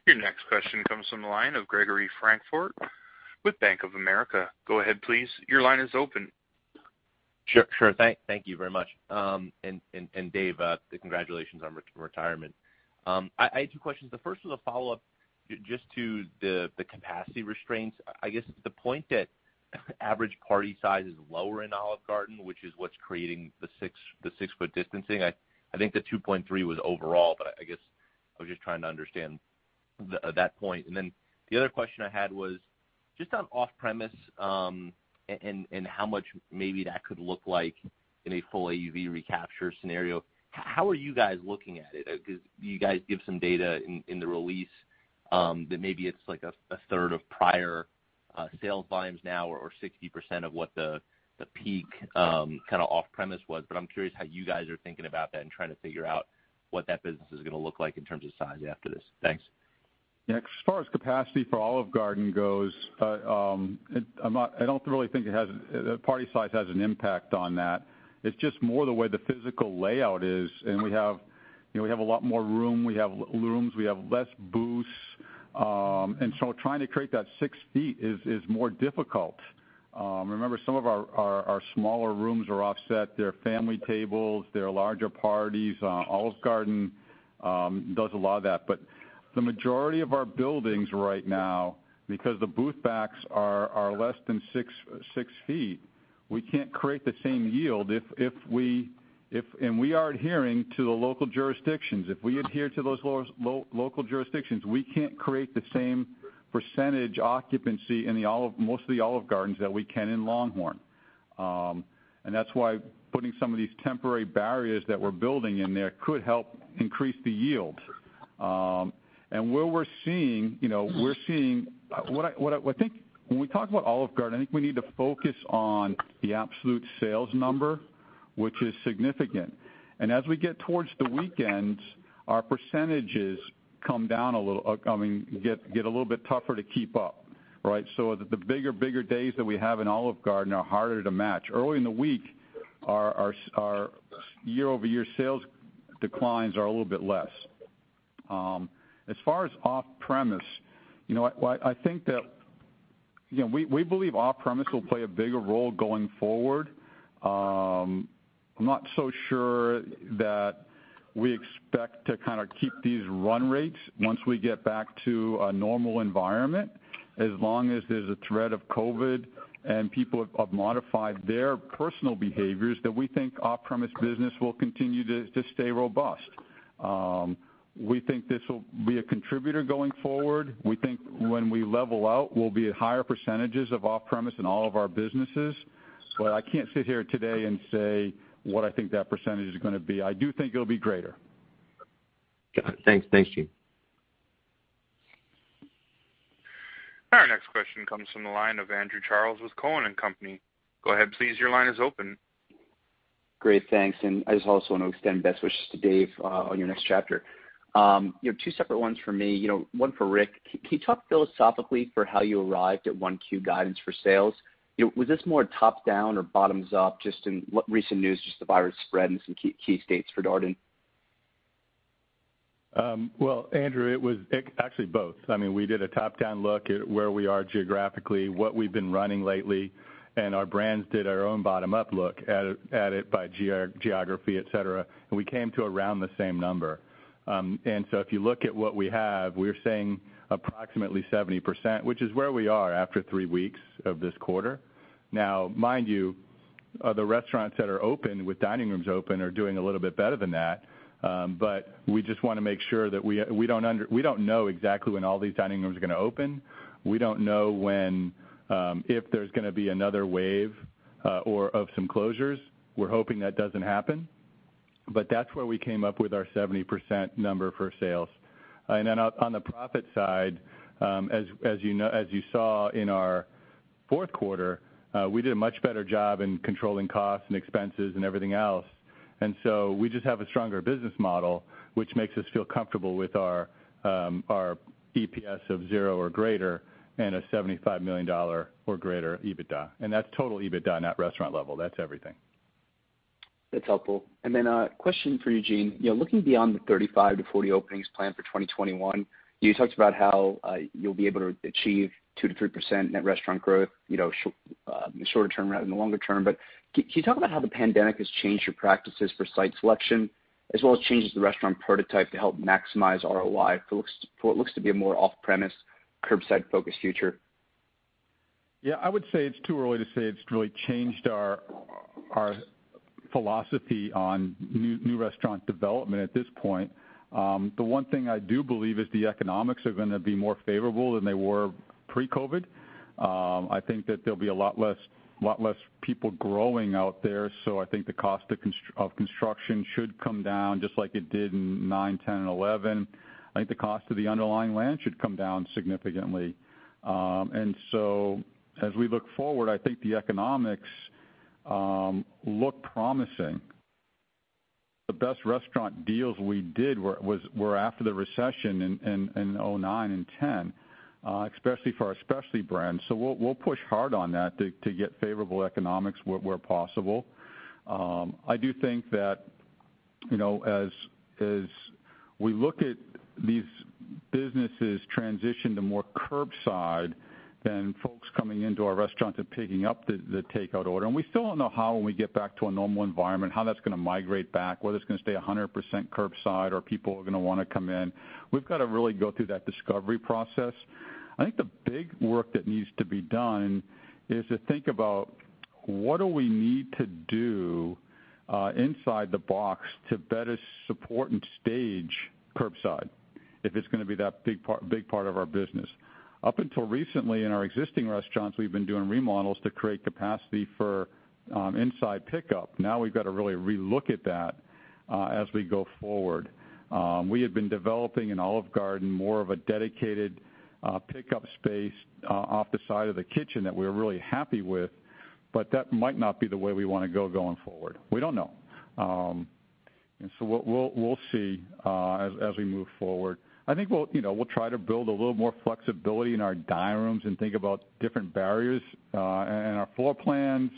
Your next question comes from the line of Gregory Francfort with Bank of America. Go ahead, please. Your line is open.
Sure. Thank you very much. Dave, congratulations on retirement. I had two questions. The first was a follow-up just to the capacity restraints. I guess the point that average party size is lower in Olive Garden, which is what's creating the six-foot distancing. I think the 2.3 was overall, but I guess I was just trying to understand that point. The other question I had was just on off-premise, and how much maybe that could look like in a full AUV recapture scenario. How are you guys looking at it? Because you guys give some data in the release that maybe it's like a third of prior sales volumes now or 60% of what the peak off-premise was. I'm curious how you guys are thinking about that and trying to figure out what that business is going to look like in terms of size after this. Thanks.
Yeah. As far as capacity for Olive Garden goes, I don't really think party size has an impact on that. It's just more the way the physical layout is, we have a lot more room. We have rooms, we have less booths. Trying to create that six feet is more difficult. Remember, some of our smaller rooms are offset. They're family tables. They're larger parties. Olive Garden does a lot of that. The majority of our buildings right now, because the booth backs are less than six feet, we can't create the same yield. We are adhering to the local jurisdictions. If we adhere to those local jurisdictions, we can't create the same percentage occupancy in most of the Olive Gardens that we can in LongHorn. That's why putting some of these temporary barriers that we're building in there could help increase the yield. When we talk about Olive Garden, I think we need to focus on the absolute sales number, which is significant. As we get towards the weekends, our percentages get a little bit tougher to keep up. Right? The bigger days that we have in Olive Garden are harder to match. Early in the week, our year-over-year sales declines are a little bit less. As far as off-premise, we believe off-premise will play a bigger role going forward. I'm not so sure that we expect to keep these run rates once we get back to a normal environment. As long as there's a threat of COVID and people have modified their personal behaviors, that we think off-premise business will continue to stay robust. We think this will be a contributor going forward. We think when we level out, we'll be at higher percentages of off-premise in all of our businesses. I can't sit here today and say what I think that percentage is going to be. I do think it'll be greater.
Got it. Thanks, Gene.
Our next question comes from the line of Andrew Charles with Cowen and Company. Go ahead, please. Your line is open.
Great, thanks. I just also want to extend best wishes to Dave on your next chapter. Two separate ones for me, one for Rick. Can you talk philosophically for how you arrived at 1Q guidance for sales? Was this more top-down or bottoms-up, just in recent news, just the virus spread in some key states for Darden?
Well, Andrew, it was actually both. We did a top-down look at where we are geographically, what we've been running lately, and our brands did our own bottom-up look at it by geography, et cetera, and we came to around the same number. If you look at what we have, we're saying approximately 70%, which is where we are after three weeks of this quarter. Now, mind you, the restaurants that are open with dining rooms open are doing a little bit better than that. We just want to make sure that We don't know exactly when all these dining rooms are going to open. We don't know if there's going to be another wave of some closures. We're hoping that doesn't happen. That's where we came up with our 70% number for sales. On the profit side, as you saw in our fourth quarter, we did a much better job in controlling costs and expenses and everything else. We just have a stronger business model, which makes us feel comfortable with our EPS of zero or greater and a $75 million or greater EBITDA. That's total EBITDA, net restaurant level. That's everything.
That's helpful. A question for you Gene. Looking beyond the 35-40 openings planned for 2021, you talked about how you'll be able to achieve 2%-3% net restaurant growth, in the shorter term rather than the longer term. Can you talk about how the pandemic has changed your practices for site selection as well as changes to the restaurant prototype to help maximize ROI for what looks to be a more off-premise, curbside-focused future?
I would say it's too early to say it's really changed our philosophy on new restaurant development at this point. The one thing I do believe is the economics are going to be more favorable than they were pre-COVID. I think that there'll be a lot less people growing out there, so I think the cost of construction should come down just like it did in 2009, 2010, and 2011. I think the cost of the underlying land should come down significantly. As we look forward, I think the economics look promising. The best restaurant deals we did were after the recession in 2009 and 2010, especially for our specialty brands. We'll push hard on that to get favorable economics where possible. I do think that as we look at these businesses transition to more curbside than folks coming into our restaurants and picking up the takeout order, we still don't know how, when we get back to a normal environment, how that's going to migrate back, whether it's going to stay 100% curbside or people are going to want to come in. We've got to really go through that discovery process. I think the big work that needs to be done is to think about what do we need to do inside the box to better support and stage curbside if it's going to be that big part of our business. Up until recently, in our existing restaurants, we've been doing remodels to create capacity for inside pickup. We've got to really re-look at that as we go forward. We had been developing an Olive Garden, more of a dedicated pickup space off the side of the kitchen that we're really happy with, but that might not be the way we want to go going forward. We don't know. We'll see as we move forward. I think we'll try to build a little more flexibility in our dining rooms and think about different barriers and our floor plans,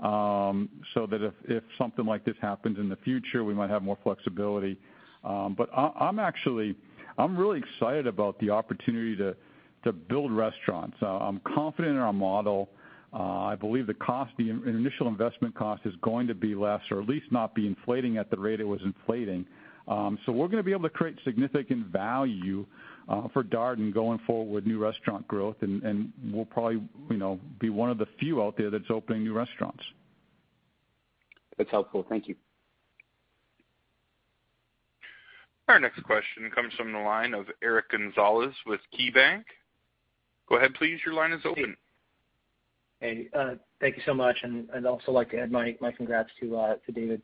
so that if something like this happens in the future, we might have more flexibility. I'm really excited about the opportunity to build restaurants. I'm confident in our model. I believe the initial investment cost is going to be less, or at least not be inflating at the rate it was inflating. We're going to be able to create significant value for Darden going forward with new restaurant growth, and we'll probably be one of the few out there that's opening new restaurants.
That's helpful. Thank you.
Our next question comes from the line of Eric Gonzalez with KeyBanc. Go ahead, please. Your line is open.
Thank you so much, I'd also like to add my congrats to David.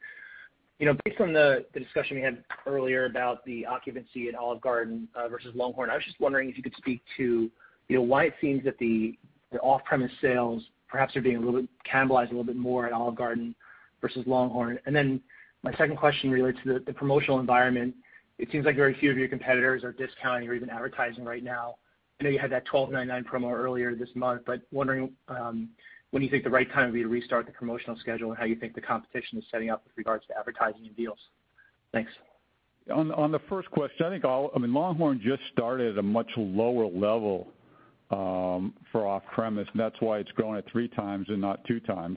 Based on the discussion we had earlier about the occupancy at Olive Garden versus LongHorn, I was just wondering if you could speak to why it seems that the off-premise sales perhaps are being cannibalized a little bit more at Olive Garden versus LongHorn. My second question relates to the promotional environment. It seems like very few of your competitors are discounting or even advertising right now. I know you had that $12.99 promo earlier this month but wondering when you think the right time would be to restart the promotional schedule and how you think the competition is setting up with regards to advertising and deals. Thanks.
On the first question, I think LongHorn just started at a much lower level for off-premise, and that's why it's growing at 3x and not 2x.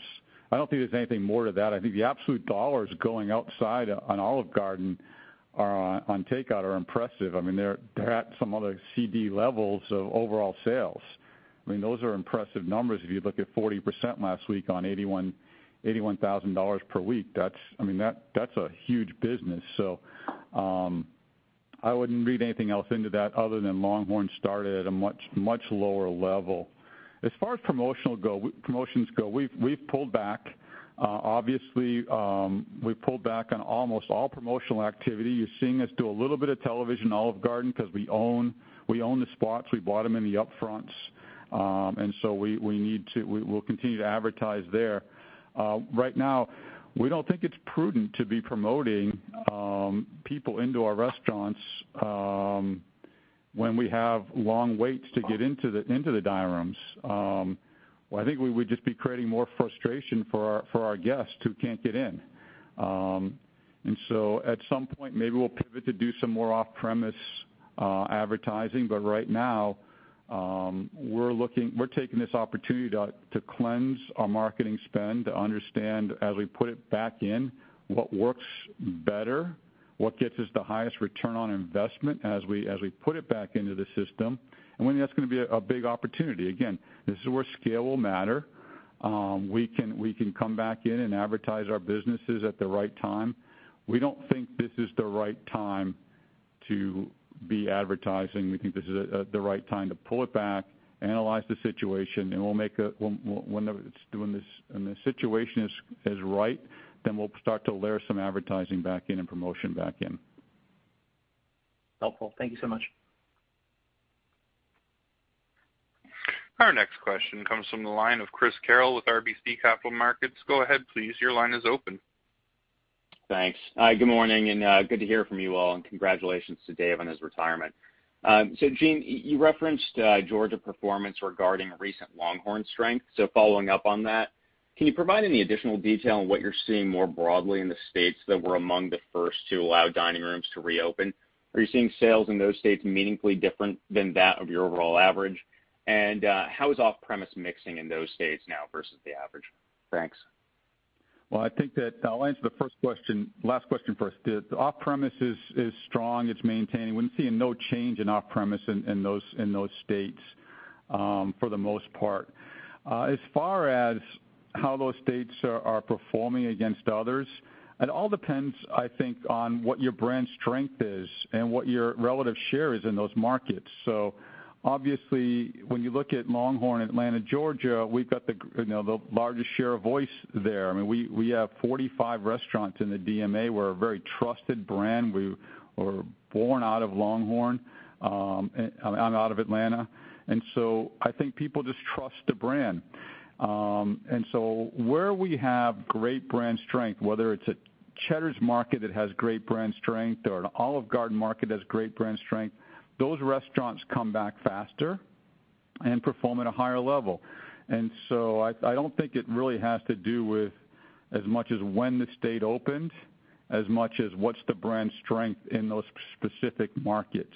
I don't think there's anything more to that. I think the absolute dollars going outside on Olive Garden on takeout are impressive. They're at some other casual dining levels of overall sales. Those are impressive numbers. If you look at 40% last week on $81,000 per week, that's a huge business. I wouldn't read anything else into that other than LongHorn started at a much lower level. As far as promotions go, we've pulled back. Obviously, we pulled back on almost all promotional activity. You're seeing us do a little bit of television, Olive Garden, because we own the spots. We bought them in the upfronts. We'll continue to advertise there. Right now, we don't think it's prudent to be promoting people into our restaurants when we have long waits to get into the dining rooms. Well, I think we would just be creating more frustration for our guests who can't get in. At some point, maybe we'll pivot to do some more off-premise advertising. Right now, we're taking this opportunity to cleanse our marketing spend, to understand, as we put it back in, what works better, what gets us the highest return on investment as we put it back into the system. I think that's going to be a big opportunity. Again, this is where scale will matter. We can come back in and advertise our businesses at the right time. We don't think this is the right time to be advertising. We think this is the right time to pull it back, analyze the situation, and when the situation is right, then we'll start to layer some advertising back in and promotion back in.
Helpful. Thank you so much.
Our next question comes from the line of Chris Carril with RBC Capital Markets. Go ahead, please. Your line is open.
Thanks. Good morning, and good to hear from you all, and congratulations to Dave on his retirement. Gene, you referenced Georgia performance regarding recent LongHorn strength. Following up on that, can you provide any additional detail on what you're seeing more broadly in the states that were among the first to allow dining rooms to reopen? Are you seeing sales in those states meaningfully different than that of your overall average? How is off-premise mixing in those states now versus the average? Thanks.
Well, I think that I'll answer the last question first. The off-premise is strong. It's maintaining. We're seeing no change in off-premise in those states for the most part. As far as how those states are performing against others, it all depends, I think, on what your brand strength is and what your relative share is in those markets. Obviously, when you look at LongHorn, Atlanta, Georgia, we've got the largest share of voice there. We have 45 restaurants in the DMA. We're a very trusted brand. We were born out of LongHorn, out of Atlanta. I think people just trust the brand. Where we have great brand strength, whether it's a Cheddar's market that has great brand strength or an Olive Garden market that has great brand strength, those restaurants come back faster and perform at a higher level. I don't think it really has to do with as much as when the state opened, as much as what's the brand strength in those specific markets.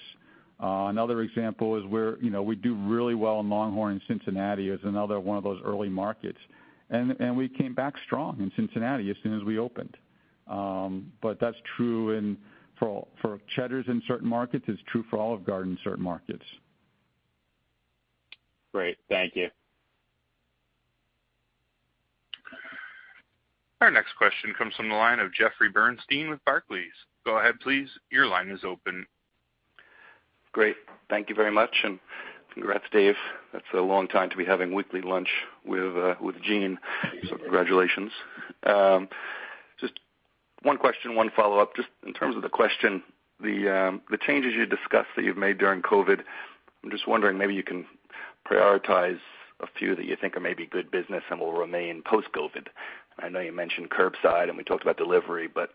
Another example is we do really well in LongHorn in Cincinnati. It's another one of those early markets. We came back strong in Cincinnati as soon as we opened. That's true for Cheddar's in certain markets. It's true for Olive Garden in certain markets.
Great. Thank you.
Our next question comes from the line of Jeffrey Bernstein with Barclays. Go ahead, please. Your line is open.
Great. Thank you very much, and congrats, Dave. That's a long time to be having weekly lunch with Gene. Congratulations. Just one question, one follow-up. Just in terms of the question, the changes you discussed that you've made during COVID, I'm just wondering, maybe you can prioritize a few that you think are maybe good business and will remain post-COVID. I know you mentioned curbside and we talked about delivery, but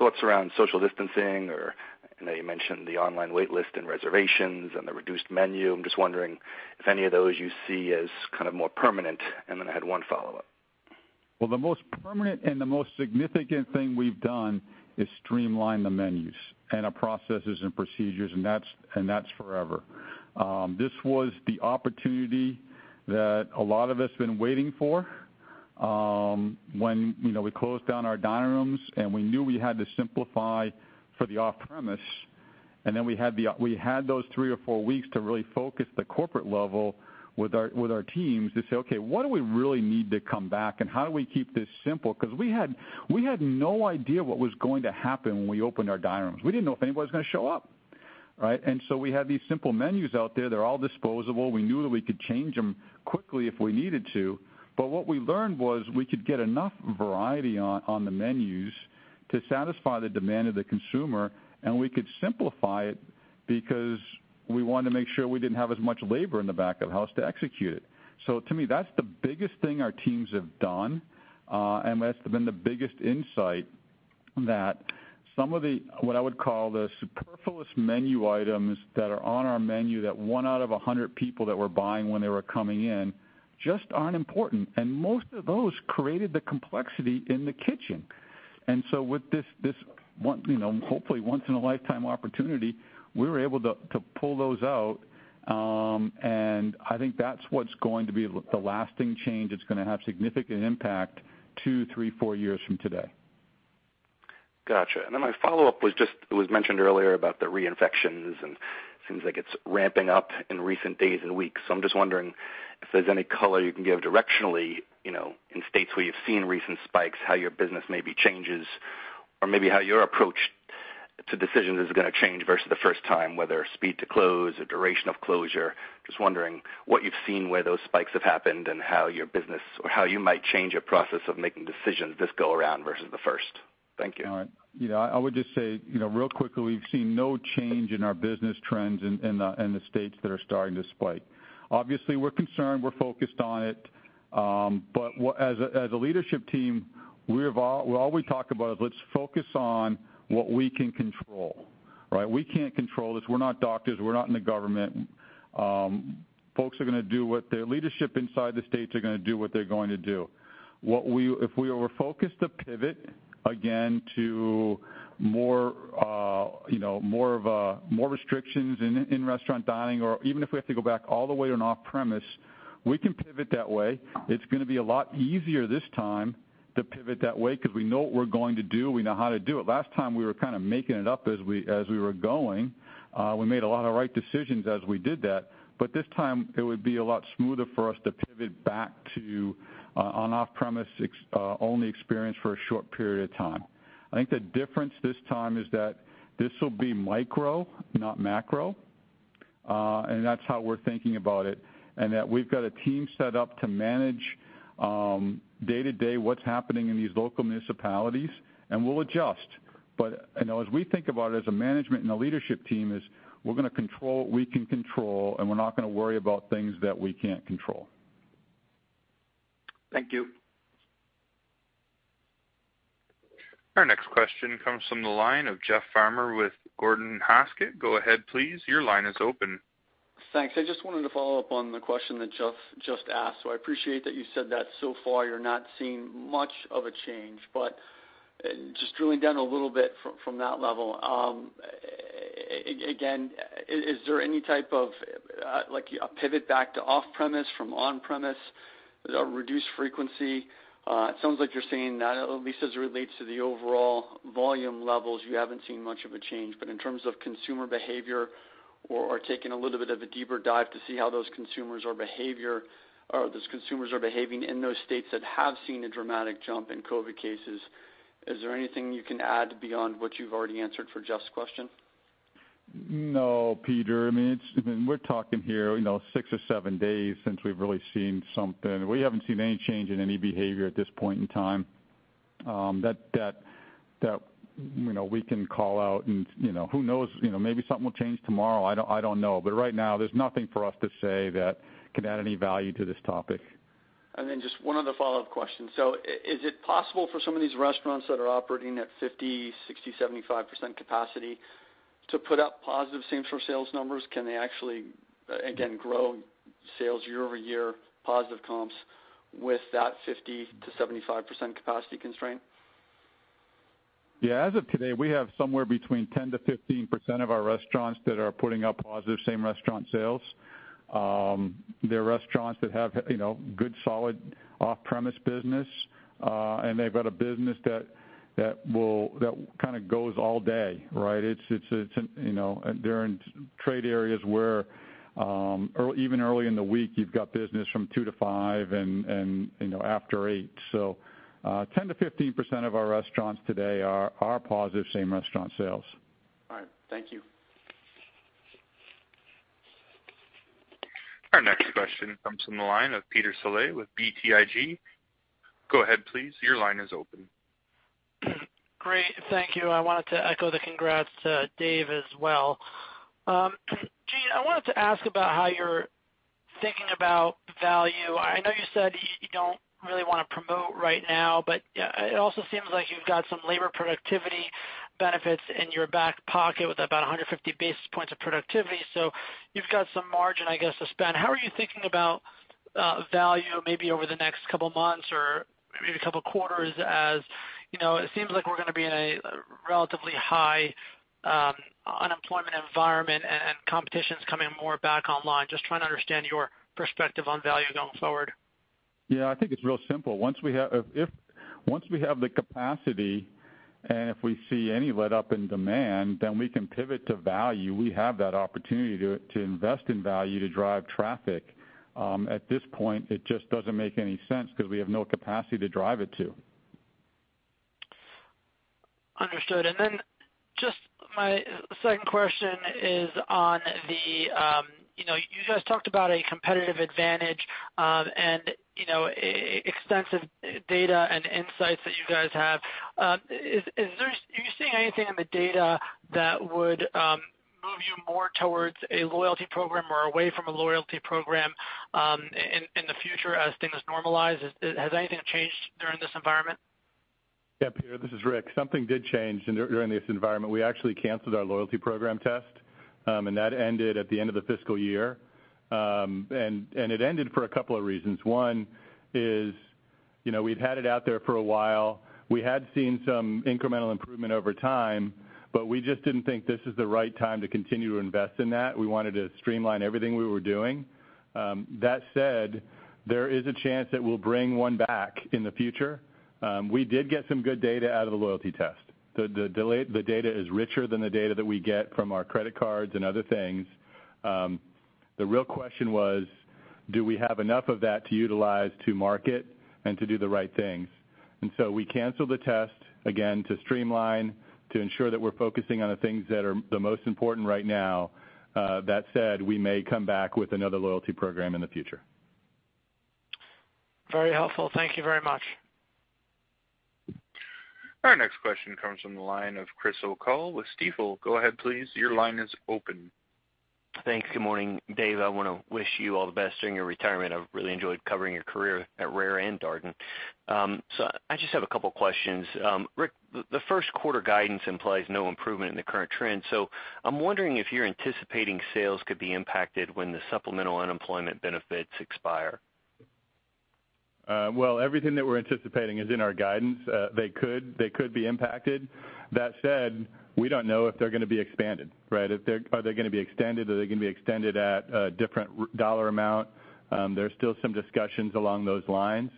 thoughts around social distancing or I know you mentioned the online wait list and reservations and the reduced menu. I'm just wondering if any of those you see as kind of more permanent. I had one follow-up.
Well, the most permanent and the most significant thing we've done is streamline the menus and our processes and procedures, and that's forever. This was the opportunity that a lot of us have been waiting for. When we closed down our dining rooms and we knew we had to simplify for the off-premise, and then we had those three or four weeks to really focus the corporate level with our teams to say, "Okay, what do we really need to come back and how do we keep this simple?" Because we had no idea what was going to happen when we opened our dining rooms. We didn't know if anybody was going to show up, right? We had these simple menus out there. They're all disposable. We knew that we could change them quickly if we needed to. What we learned was we could get enough variety on the menus to satisfy the demand of the consumer, and we could simplify it because we wanted to make sure we didn't have as much labor in the back of house to execute it. To me, that's the biggest thing our teams have done, and that's been the biggest insight that some of the, what I would call the superfluous menu items that are on our menu that one out of 100 people that were buying when they were coming in just aren't important. Most of those created the complexity in the kitchen. With this, hopefully once in a lifetime opportunity, we were able to pull those out, and I think that's what's going to be the lasting change that's going to have significant impact two, three, four years from today.
Got you. My follow-up was just, it was mentioned earlier about the reinfections, and it seems like it's ramping up in recent days and weeks. I'm just wondering if there's any color you can give directionally, in states where you've seen recent spikes, how your business maybe changes or maybe how your approach to decisions is going to change versus the first time, whether speed to close or duration of closure. Just wondering what you've seen, where those spikes have happened, and how your business or how you might change your process of making decisions this go around versus the first. Thank you.
All right. I would just say, real quickly, we've seen no change in our business trends in the states that are starting to spike. Obviously, we're concerned. We're focused on it. As a leadership team, all we talk about is let's focus on what we can control. Right? We can't control this. We're not doctors. We're not in the government. Folks are going to do what their leadership inside the states are going to do what they're going to do. If we were focused to pivot again to more restrictions in restaurant dining or even if we have to go back all the way on off-premise, we can pivot that way. It's going to be a lot easier this time to pivot that way because we know what we're going to do. We know how to do it. Last time, we were kind of making it up as we were going. We made a lot of right decisions as we did that. This time, it would be a lot smoother for us to pivot back to an off-premise only experience for a short period of time. I think the difference this time is that this will be micro, not macro, and that's how we're thinking about it, and that we've got a team set up to manage day-to-day what's happening in these local municipalities, and we'll adjust. As we think about it as a management and a leadership team is we're going to control what we can control, and we're not going to worry about things that we can't control.
Thank you.
Our next question comes from the line of Jeff Farmer with Gordon Haskett. Go ahead, please. Your line is open.
Thanks. I just wanted to follow up on the question that Jeff just asked. I appreciate that you said that so far you're not seeing much of a change, but just drilling down a little bit from that level. Again, is there any type of a pivot back to off-premise from on-premise, a reduced frequency? It sounds like you're saying not at least as it relates to the overall volume levels, you haven't seen much of a change. In terms of consumer behavior or taking a little bit of a deeper dive to see how those consumers are behaving in those states that have seen a dramatic jump in COVID cases, is there anything you can add beyond what you've already answered for Jeff's question?
No, Jeff. We’re talking here six or seven days since we've really seen something. We haven't seen any change in any behavior at this point in time that we can call out and who knows, maybe something will change tomorrow. I don't know. Right now, there's nothing for us to say that can add any value to this topic.
Just one other follow-up question. Is it possible for some of these restaurants that are operating at 50%, 60%, 75% capacity to put up positive same-store sales numbers? Can they actually, again, grow sales year over year, positive comps with that 50%-75% capacity constraint?
Yeah. As of today, we have somewhere between 10%-15% of our restaurants that are putting up positive same restaurant sales. They're restaurants that have good, solid off-premise business, and they've got a business that kind of goes all day, right? They're in trade areas where even early in the week, you've got business from 2:00 to 5:00 and after 8:00. 10%-15% of our restaurants today are positive same restaurant sales.
All right. Thank you.
Our next question comes from the line of Peter Saleh with BTIG. Go ahead, please. Your line is open.
Great. Thank you. I wanted to echo the congrats to Dave as well. Gene, I wanted to ask about how you're thinking about value. I know you said you don't really want to promote right now, but it also seems like you've got some labor productivity benefits in your back pocket with about 150 basis points of productivity. You've got some margin, I guess, to spend. How are you thinking about value maybe over the next couple of months or maybe a couple of quarters, as it seems like we're going to be in a relatively high unemployment environment and competition's coming more back online, just trying to understand your perspective on value going forward?
Yeah, I think it's real simple. Once we have the capacity and if we see any letup in demand, then we can pivot to value. We have that opportunity to invest in value to drive traffic. At this point, it just doesn't make any sense because we have no capacity to drive it to.
Understood. Just my second question is. You guys talked about a competitive advantage and extensive data and insights that you guys have. Are you seeing anything in the data that would move you more towards a loyalty program or away from a loyalty program in the future as things normalize? Has anything changed during this environment?
Yeah, Peter, this is Rick. Something did change during this environment. We actually canceled our loyalty program test. That ended at the end of the fiscal year. It ended for a couple of reasons. One is, we'd had it out there for a while. We had seen some incremental improvement over time. We just didn't think this is the right time to continue to invest in that. We wanted to streamline everything we were doing. That said, there is a chance that we'll bring one back in the future. We did get some good data out of the loyalty test. The data is richer than the data that we get from our credit cards and other things. The real question was, do we have enough of that to utilize to market and to do the right things? We canceled the test, again, to streamline, to ensure that we're focusing on the things that are the most important right now. That said, we may come back with another loyalty program in the future.
Very helpful. Thank you very much.
Our next question comes from the line of Chris O'Cull with Stifel. Go ahead, please. Your line is open.
Thanks. Good morning, Dave. I want to wish you all the best during your retirement. I've really enjoyed covering your career at RARE and Darden. I just have a couple questions. Rick, the first quarter guidance implies no improvement in the current trend. I'm wondering if you're anticipating sales could be impacted when the supplemental unemployment benefits expire.
Well, everything that we're anticipating is in our guidance. They could be impacted. That said, we don't know if they're going to be expanded. Are they going to be extended? Are they going to be extended at a different dollar amount? There's still some discussions along those lines.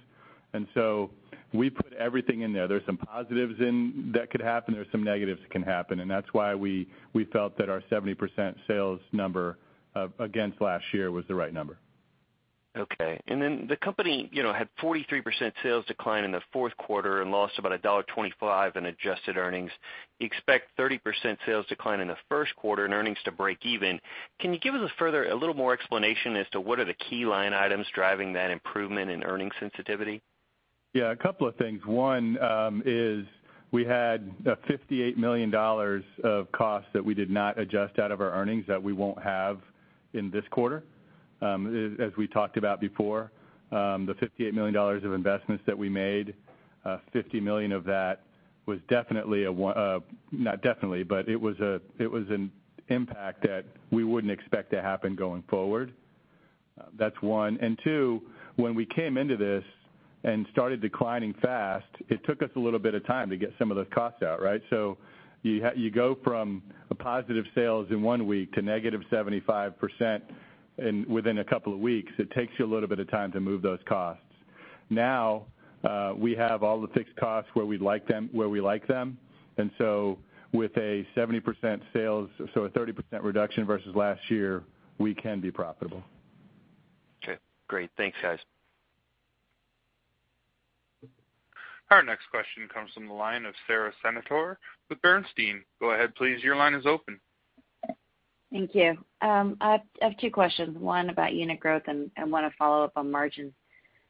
We put everything in there. There's some positives in that could happen. There's some negatives that can happen, and that's why we felt that our 70% sales number against last year was the right number.
Okay. The company had 43% sales decline in the fourth quarter and lost about $1.25 in adjusted earnings. You expect 30% sales decline in the first quarter and earnings to break even. Can you give us a little more explanation as to what are the key line items driving that improvement in earning sensitivity?
Yeah, a couple of things. One is we had $58 million of costs that we did not adjust out of our earnings that we won't have in this quarter. As we talked about before, the $58 million of investments that we made, $50 million of that was definitely not definitely, but it was an impact that we wouldn't expect to happen going forward. That's one. Two, when we came into this and started declining fast, it took us a little bit of time to get some of those costs out. You go from a positive sales in one week to -75% within a couple of weeks. It takes you a little bit of time to move those costs. Now, we have all the fixed costs where we like them, with a 70% sales, so a 30% reduction versus last year, we can be profitable.
Okay, great. Thanks, guys.
Our next question comes from the line of Sara Senatore with Bernstein. Go ahead, please. Your line is open.
Thank you. I have two questions. One about unit growth and one a follow-up on margins.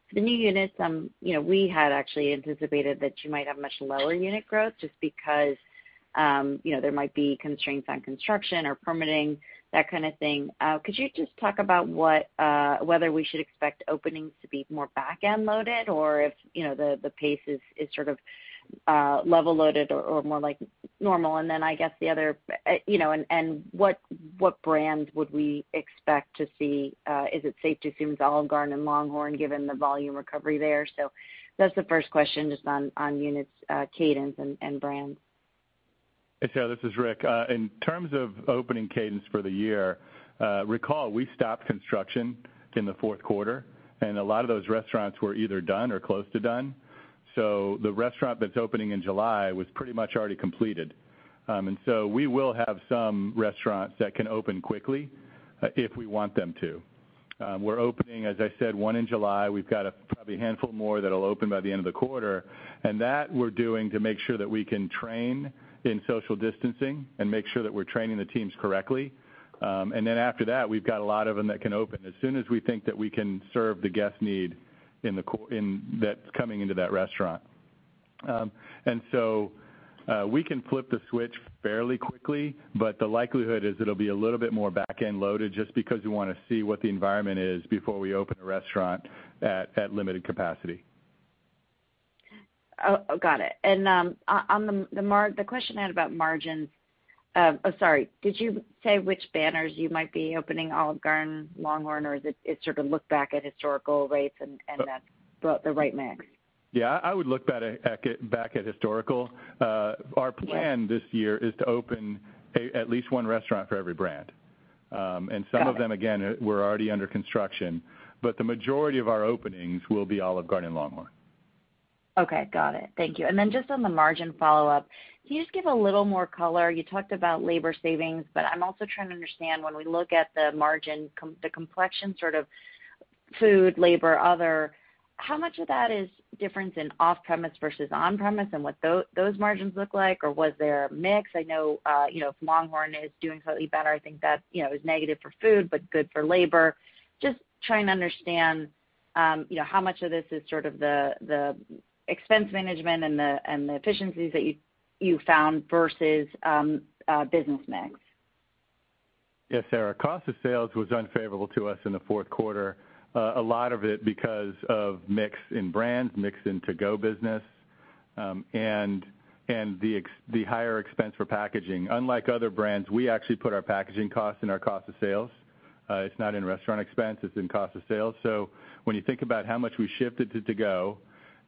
For the new units, we had actually anticipated that you might have much lower unit growth just because there might be constraints on construction or permitting, that kind of thing. Could you just talk about whether we should expect openings to be more back-end loaded or if the pace is level loaded or more like normal? What brands would we expect to see? Is it safe to assume it's Olive Garden and LongHorn given the volume recovery there? That's the first question just on units cadence and brands.
Hey, Sara, this is Rick. In terms of opening cadence for the year, recall we stopped construction in the fourth quarter and a lot of those restaurants were either done or close to done. We will have some restaurants that can open quickly if we want them to. We're opening, as I said, one in July. We've got probably a handful more that'll open by the end of the quarter. That we're doing to make sure that we can train in social distancing and make sure that we're training the teams correctly. Then after that, we've got a lot of them that can open as soon as we think that we can serve the guest need that's coming into that restaurant. We can flip the switch fairly quickly, but the likelihood is it'll be a little bit more back-end loaded just because we want to see what the environment is before we open a restaurant at limited capacity.
Got it. On the question I had about margins, oh, sorry, did you say which banners you might be opening, Olive Garden, LongHorn, or is it sort of look back at historical rates and that's the right mix?
Yeah, I would look back at historical. Our plan this year is to open at least one restaurant for every brand.
Got it.
Some of them, again, were already under construction, but the majority of our openings will be Olive Garden and LongHorn.
Okay, got it. Thank you. Then just on the margin follow-up, can you just give a little more color? You talked about labor savings, but I'm also trying to understand when we look at the margin, the complexion sort of food, labor, other, how much of that is difference in off-premise versus on-premise and what those margins look like? Was there a mix? I know if LongHorn is doing slightly better, I think that is negative for food but good for labor. Just trying to understand how much of this is sort of the expense management and the efficiencies that you found versus business mix.
Yeah, Sara, cost of sales was unfavorable to us in the fourth quarter. A lot of it because of mix in brands, mix in to-go business, and the higher expense for packaging. Unlike other brands, we actually put our packaging cost in our cost of sales. It's not in restaurant expense, it's in cost of sales. When you think about how much we shifted to to-go,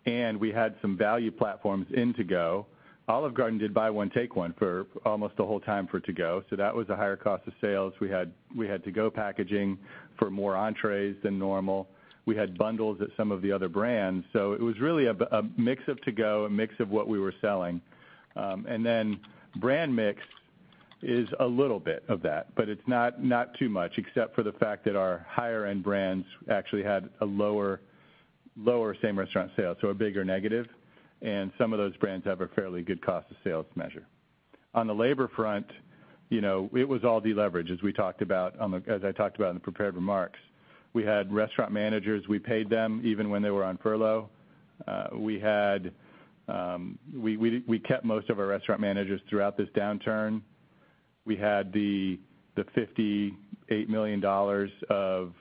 and we had some value platforms in to-go. Olive Garden did buy one, take one for almost the whole time for to-go. That was a higher cost of sales. We had to-go packaging for more entrees than normal. We had bundles at some of the other brands. It was really a mix of to-go, a mix of what we were selling. Then brand mix is a little bit of that, but it's not too much except for the fact that our higher-end brands actually had a lower same restaurant sales, so a bigger negative. Some of those brands have a fairly good cost of sales measure. On the labor front, it was all deleverage, as I talked about in the prepared remarks. We had restaurant managers. We paid them even when they were on furlough. We kept most of our restaurant managers throughout this downturn. We had the $58 million of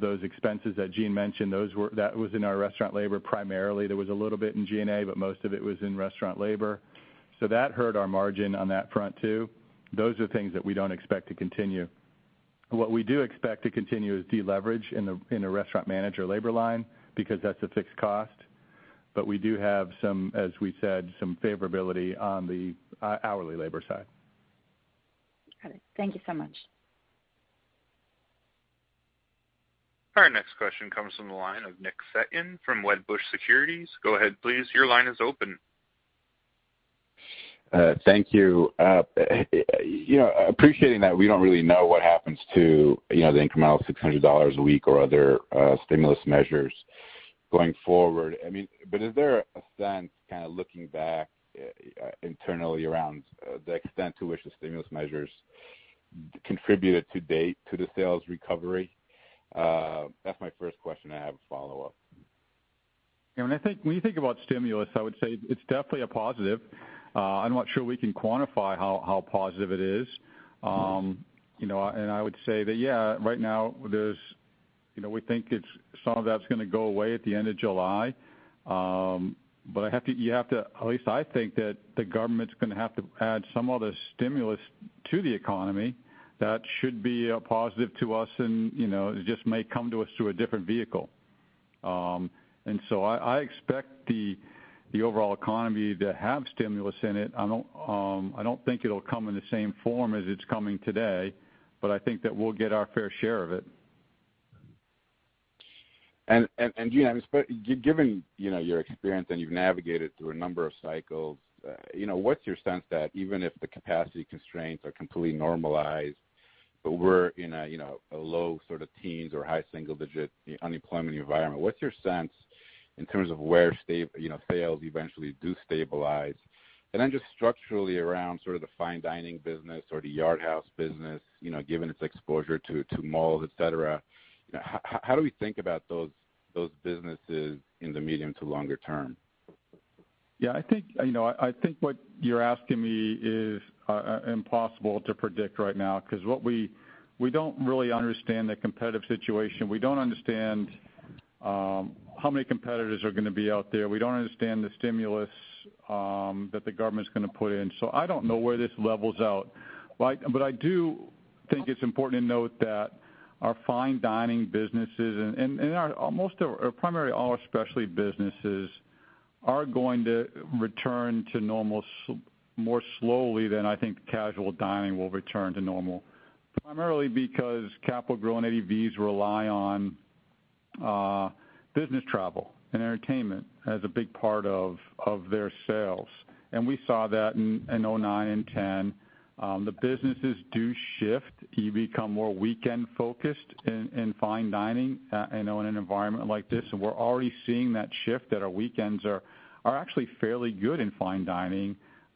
those expenses that Gene mentioned. That was in our restaurant labor, primarily. There was a little bit in G&A, but most of it was in restaurant labor. That hurt our margin on that front, too. Those are things that we don't expect to continue. What we do expect to continue is deleverage in a restaurant manager labor line, because that's a fixed cost. We do have, as we said, some favorability on the hourly labor side.
Got it. Thank you so much.
Our next question comes from the line of Nick Setyan from Wedbush Securities. Go ahead, please. Your line is open.
Thank you. Appreciating that we don't really know what happens to the incremental $600 a week or other stimulus measures going forward. Is there a sense, kind of looking back internally around the extent to which the stimulus measures contributed to date to the sales recovery? That's my first question. I have a follow-up.
When you think about stimulus, I would say it's definitely a positive. I'm not sure we can quantify how positive it is. I would say that, yeah, right now, we think some of that's going to go away at the end of July. At least I think that the government's going to have to add some other stimulus to the economy that should be a positive to us, and it just may come to us through a different vehicle. I expect the overall economy to have stimulus in it. I don't think it'll come in the same form as it's coming today, but I think that we'll get our fair share of it.
Gene, given your experience, and you've navigated through a number of cycles, what's your sense that even if the capacity constraints are completely normalized, but we're in a low sort of teens or high single-digit unemployment environment, what's your sense in terms of where sales eventually do stabilize? Then just structurally around sort of the fine dining business or the Yard House business, given its exposure to malls, et cetera, how do we think about those businesses in the medium to longer term?
Yeah, I think what you're asking me is impossible to predict right now because we don't really understand the competitive situation. We don't understand how many competitors are going to be out there. We don't understand the stimulus that the government's going to put in. I don't know where this levels out. I do think it's important to note that our fine dining businesses and most of our, primarily all our specialty businesses, are going to return to normal more slowly than I think casual dining will return to normal, primarily because capital growing and AUVs rely on business travel and entertainment as a big part of their sales. We saw that in 2009 and 2010. The businesses do shift. You become more weekend-focused in fine dining in an environment like this. We're already seeing that shift, that our weekends are actually fairly good in fine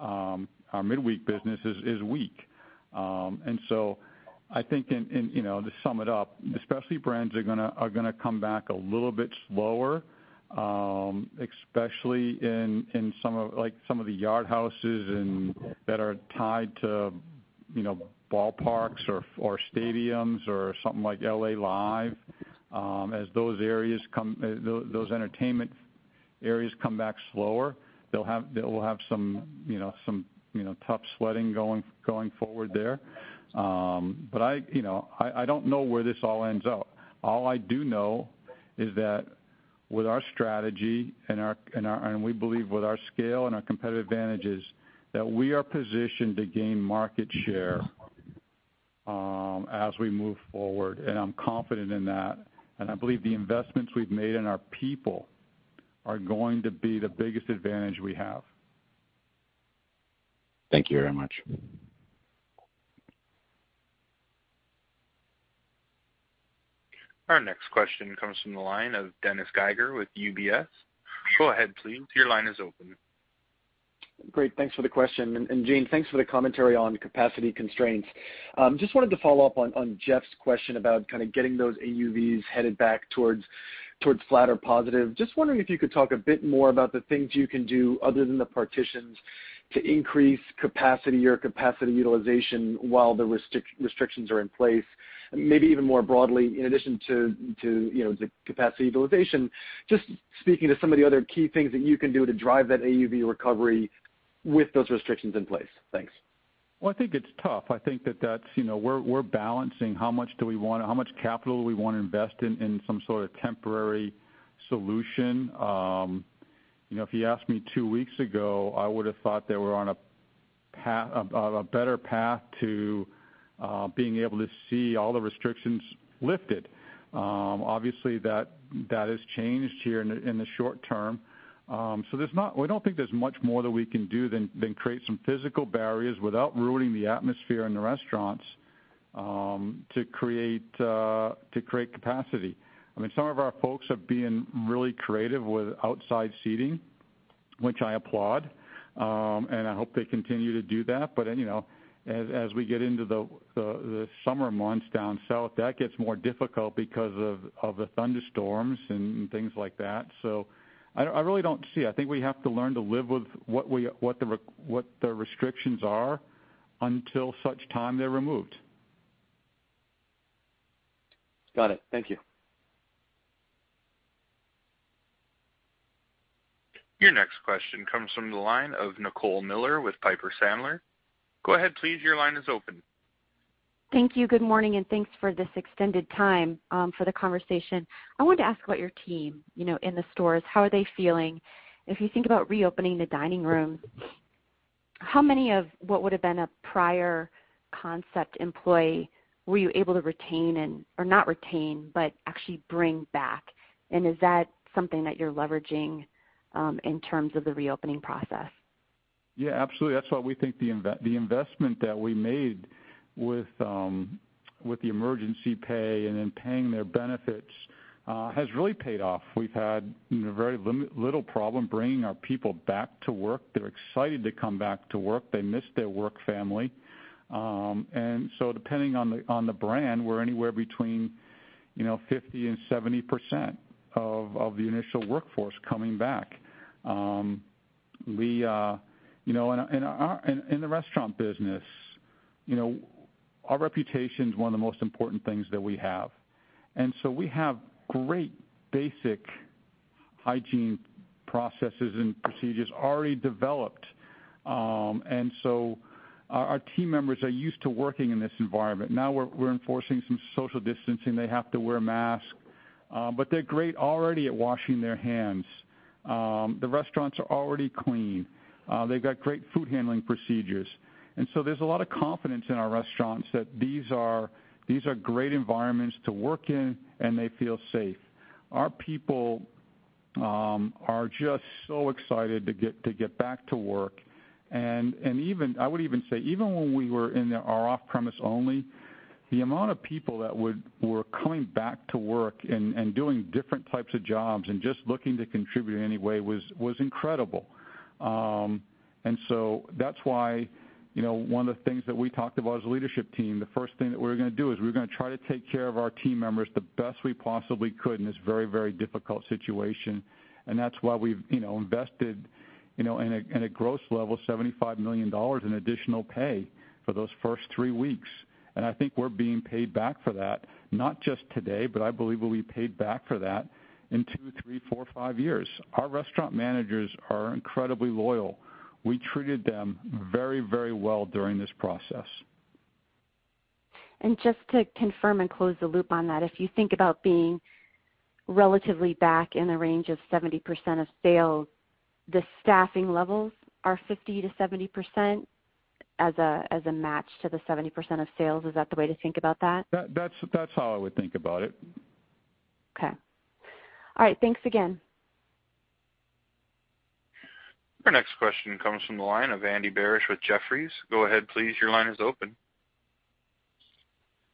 dining. Our midweek business is weak. I think to sum it up, the specialty brands are going to come back a little bit slower, especially in some of the Yard Houses that are tied to ballparks or stadiums or something like L.A. Live. As those entertainment areas come back slower, they'll have some tough sweating going forward there. I don't know where this all ends up. All I do know is that with our strategy, and we believe with our scale and our competitive advantages, that we are positioned to gain market share as we move forward. I'm confident in that, and I believe the investments we've made in our people are going to be the biggest advantage we have.
Thank you very much.
Our next question comes from the line of Dennis Geiger with UBS. Go ahead, please. Your line is open.
Great, thanks for the question. Gene, thanks for the commentary on capacity constraints. Just wanted to follow up on Jeff's question about kind of getting those AUVs headed back towards flat or positive. Just wondering if you could talk a bit more about the things you can do other than the partitions to increase capacity or capacity utilization while the restrictions are in place. Maybe even more broadly, in addition to the capacity utilization, just speaking to some of the other key things that you can do to drive that AUV recovery with those restrictions in place. Thanks.
Well, I think it's tough. I think that we're balancing how much capital we want to invest in some sort of temporary solution. If you asked me two weeks ago, I would've thought that we're on a better path to being able to see all the restrictions lifted. Obviously, that has changed here in the short term. We don't think there's much more that we can do than create some physical barriers without ruining the atmosphere in the restaurants, to create capacity. Some of our folks have been really creative with outside seating, which I applaud, and I hope they continue to do that. As we get into the summer months down south, that gets more difficult because of the thunderstorms and things like that. I really don't see. I think we have to learn to live with what the restrictions are until such time they're removed.
Got it. Thank you.
Your next question comes from the line of Nicole Miller with Piper Sandler. Go ahead, please. Your line is open.
Thank you. Good morning, thanks for this extended time for the conversation. I wanted to ask about your team in the stores. How are they feeling? If you think about reopening the dining rooms, how many of what would've been a prior concept employee were you able to retain or not retain, but actually bring back? Is that something that you're leveraging in terms of the reopening process?
Yeah, absolutely. That's why we think the investment that we made with the emergency pay and then paying their benefits has really paid off. We've had very little problem bringing our people back to work. They're excited to come back to work. They miss their work family. Depending on the brand, we're anywhere between 50% and 70% of the initial workforce coming back. In the restaurant business, our reputation's one of the most important things that we have. We have great basic hygiene processes and procedures already developed. Our team members are used to working in this environment. Now we're enforcing some social distancing. They have to wear a mask. They're great already at washing their hands. The restaurants are already clean. They've got great food handling procedures. There's a lot of confidence in our restaurants that these are great environments to work in, and they feel safe. Our people are just so excited to get back to work. I would even say, even when we were in our off-premise only, the amount of people that were coming back to work and doing different types of jobs and just looking to contribute in any way was incredible. That's why one of the things that we talked about as a leadership team, the first thing that we were going to do is we were going to try to take care of our team members the best we possibly could in this very, very difficult situation, and that's why we've invested, in a gross level, $75 million in additional pay for those first three weeks. I think we're being paid back for that, not just today, but I believe we'll be paid back for that in two, three, four, five years. Our restaurant managers are incredibly loyal. We treated them very well during this process.
Just to confirm and close the loop on that, if you think about being relatively back in the range of 70% of sales, the staffing levels are 50%-70% as a match to the 70% of sales. Is that the way to think about that?
That's how I would think about it.
Okay. All right, thanks again.
Our next question comes from the line of Andy Barish with Jefferies. Go ahead please. Your line is open.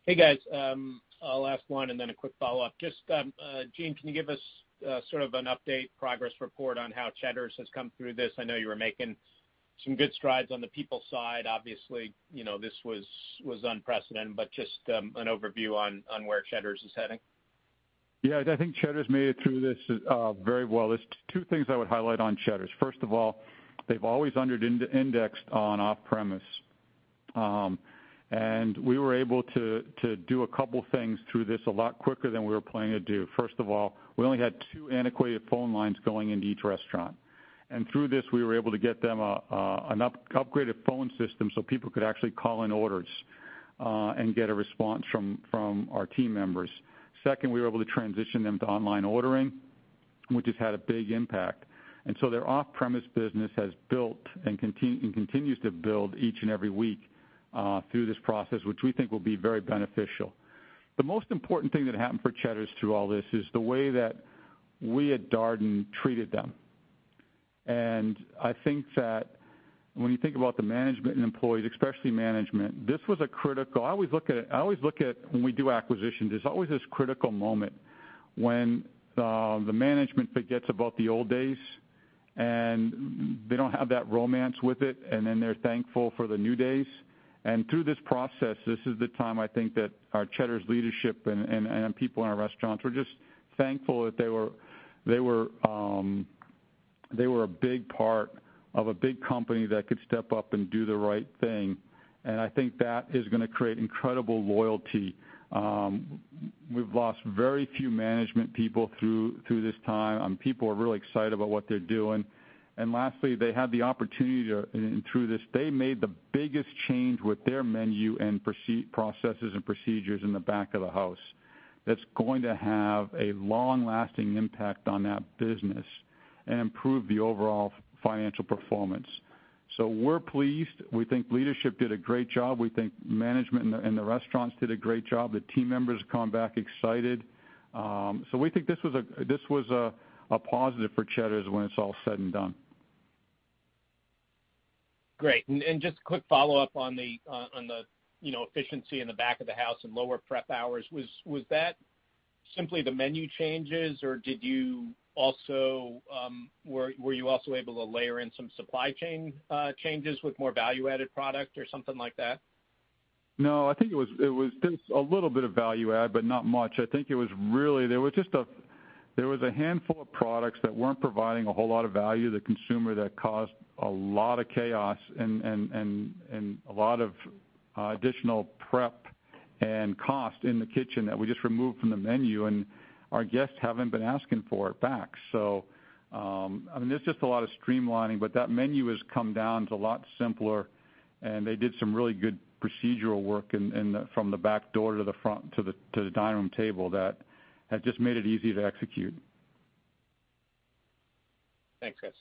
Hey, guys. I'll ask one and then a quick follow-up. Just, Gene, can you give us sort of an update progress report on how Cheddar's has come through this? I know you were making some good strides on the people side. Obviously, this was unprecedented, but just an overview on where Cheddar's is heading.
Yeah, I think Cheddar's made it through this very well. There's two things I would highlight on Cheddar's. First of all, they've always under-indexed on off-premise. We were able to do a couple things through this a lot quicker than we were planning to do. First of all, we only had two antiquated phone lines going into each restaurant. Through this, we were able to get them an upgraded phone system so people could actually call in orders, and get a response from our team members. Second, we were able to transition them to online ordering, which has had a big impact. Their off-premise business has built and continues to build each and every week, through this process, which we think will be very beneficial. The most important thing that happened for Cheddar's through all this is the way that we at Darden treated them. I think that when you think about the management and employees, especially management, this was a critical moment. I always look at when we do acquisitions, there's always this critical moment when the management forgets about the old days, and they don't have that romance with it, and then they're thankful for the new days. Through this process, this is the time I think that our Cheddar's leadership and people in our restaurants were just thankful that they were a big part of a big company that could step up and do the right thing. I think that is gonna create incredible loyalty. We've lost very few management people through this time. People are really excited about what they're doing. Lastly, they had the opportunity, and through this, they made the biggest change with their menu and processes and procedures in the back of the house that's going to have a long-lasting impact on that business and improve the overall financial performance. We're pleased. We think leadership did a great job. We think management and the restaurants did a great job. The team members come back excited. We think this was a positive for Cheddar's when it's all said and done.
Great. Just quick follow-up on the efficiency in the back of the house and lower prep hours. Was that simply the menu changes, or were you also able to layer in some supply chain changes with more value-added product or something like that?
No, I think it was just a little bit of value add, but not much. I think there was a handful of products that weren't providing a whole lot of value to the consumer that caused a lot of chaos and a lot of additional prep and cost in the kitchen that we just removed from the menu, and our guests haven't been asking for it back. There's just a lot of streamlining, but that menu has come down. It's a lot simpler, and they did some really good procedural work from the back door to the front, to the dining room table that has just made it easy to execute.
Thanks, guys.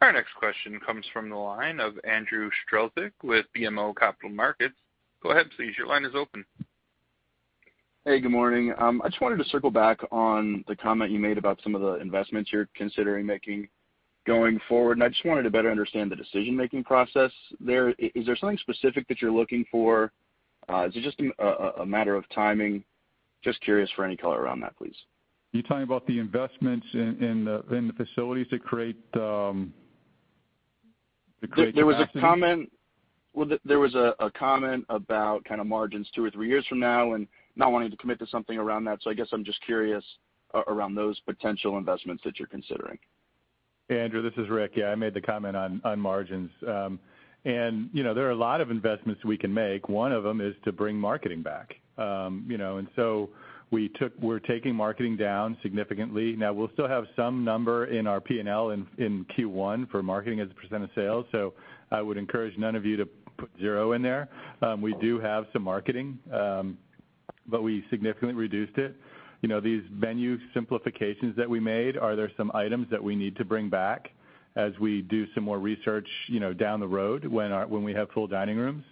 Our next question comes from the line of Andrew Strelzik with BMO Capital Markets. Go ahead please, your line is open.
Hey, good morning. I just wanted to circle back on the comment you made about some of the investments you're considering making going forward. I just wanted to better understand the decision-making process there. Is there something specific that you're looking for? Is it just a matter of timing? Just curious for any color around that, please.
You're talking about the investments in the facilities to create capacity?
There was a comment about margins two or three years from now and not wanting to commit to something around that. I guess I'm just curious around those potential investments that you're considering.
Andrew, this is Rick. Yeah, I made the comment on margins. There are a lot of investments we can make. One of them is to bring marketing back. We're taking marketing down significantly. Now, we'll still have some number in our P&L in Q1 for marketing as a percent of sales. I would encourage none of you to put zero in there. We do have some marketing. We significantly reduced it. These menu simplifications that we made, are there some items that we need to bring back as we do some more research down the road when we have full dining rooms?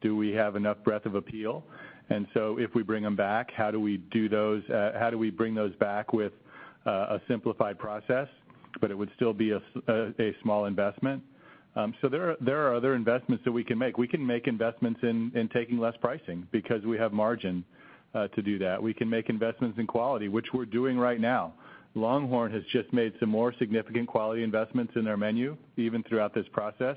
Do we have enough breadth of appeal? If we bring them back, how do we bring those back with a simplified process? It would still be a small investment. There are other investments that we can make. We can make investments in taking less pricing because we have margin to do that. We can make investments in quality, which we're doing right now. LongHorn has just made some more significant quality investments in their menu, even throughout this process.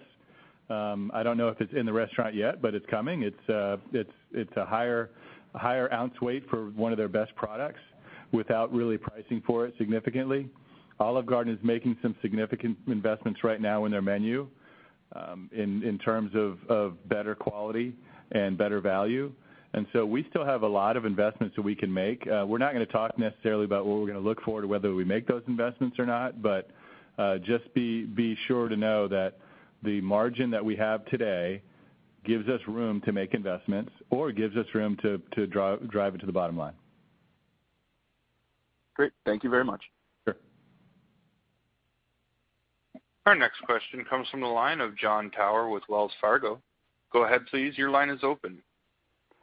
I don't know if it's in the restaurant yet, but it's coming. It's a higher ounce weight for one of their best products without really pricing for it significantly. Olive Garden is making some significant investments right now in their menu in terms of better quality and better value. We still have a lot of investments that we can make. We're not going to talk necessarily about what we're going to look for to whether we make those investments or not, but just be sure to know that the margin that we have today gives us room to make investments or gives us room to drive it to the bottom line.
Great. Thank you very much.
Sure.
Our next question comes from the line of Jon Tower with Wells Fargo. Go ahead please, your line is open.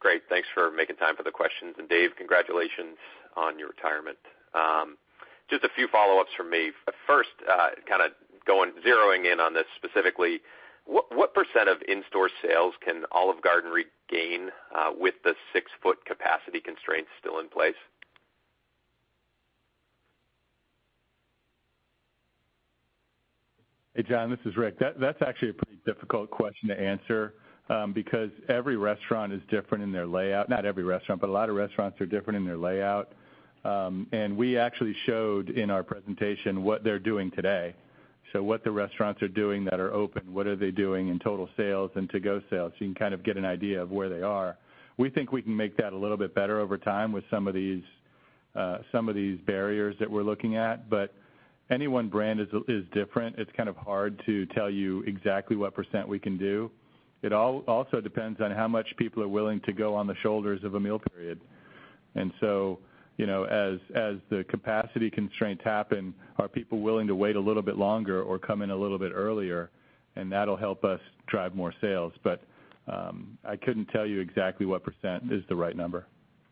Great. Thanks for making time for the questions. Dave, congratulations on your retirement. Just a few follow-ups from me. First, kind of zeroing in on this specifically, what percent of in-store sales can Olive Garden regain with the six-foot capacity constraints still in place?
Hey, John, this is Rick. That's actually a pretty difficult question to answer because every restaurant is different in their layout. Not every restaurant, but a lot of restaurants are different in their layout. We actually showed in our presentation what they're doing today. What the restaurants are doing that are open, what are they doing in total sales and to-go sales. You can kind of get an idea of where they are. We think we can make that a little bit better over time with some of these barriers that we're looking at. Any one brand is different. It's kind of hard to tell you exactly what % we can do. It also depends on how much people are willing to go on the shoulders of a meal period. As the capacity constraints happen, are people willing to wait a little bit longer or come in a little bit earlier? That'll help us drive more sales. I couldn't tell you exactly what percent is the right number.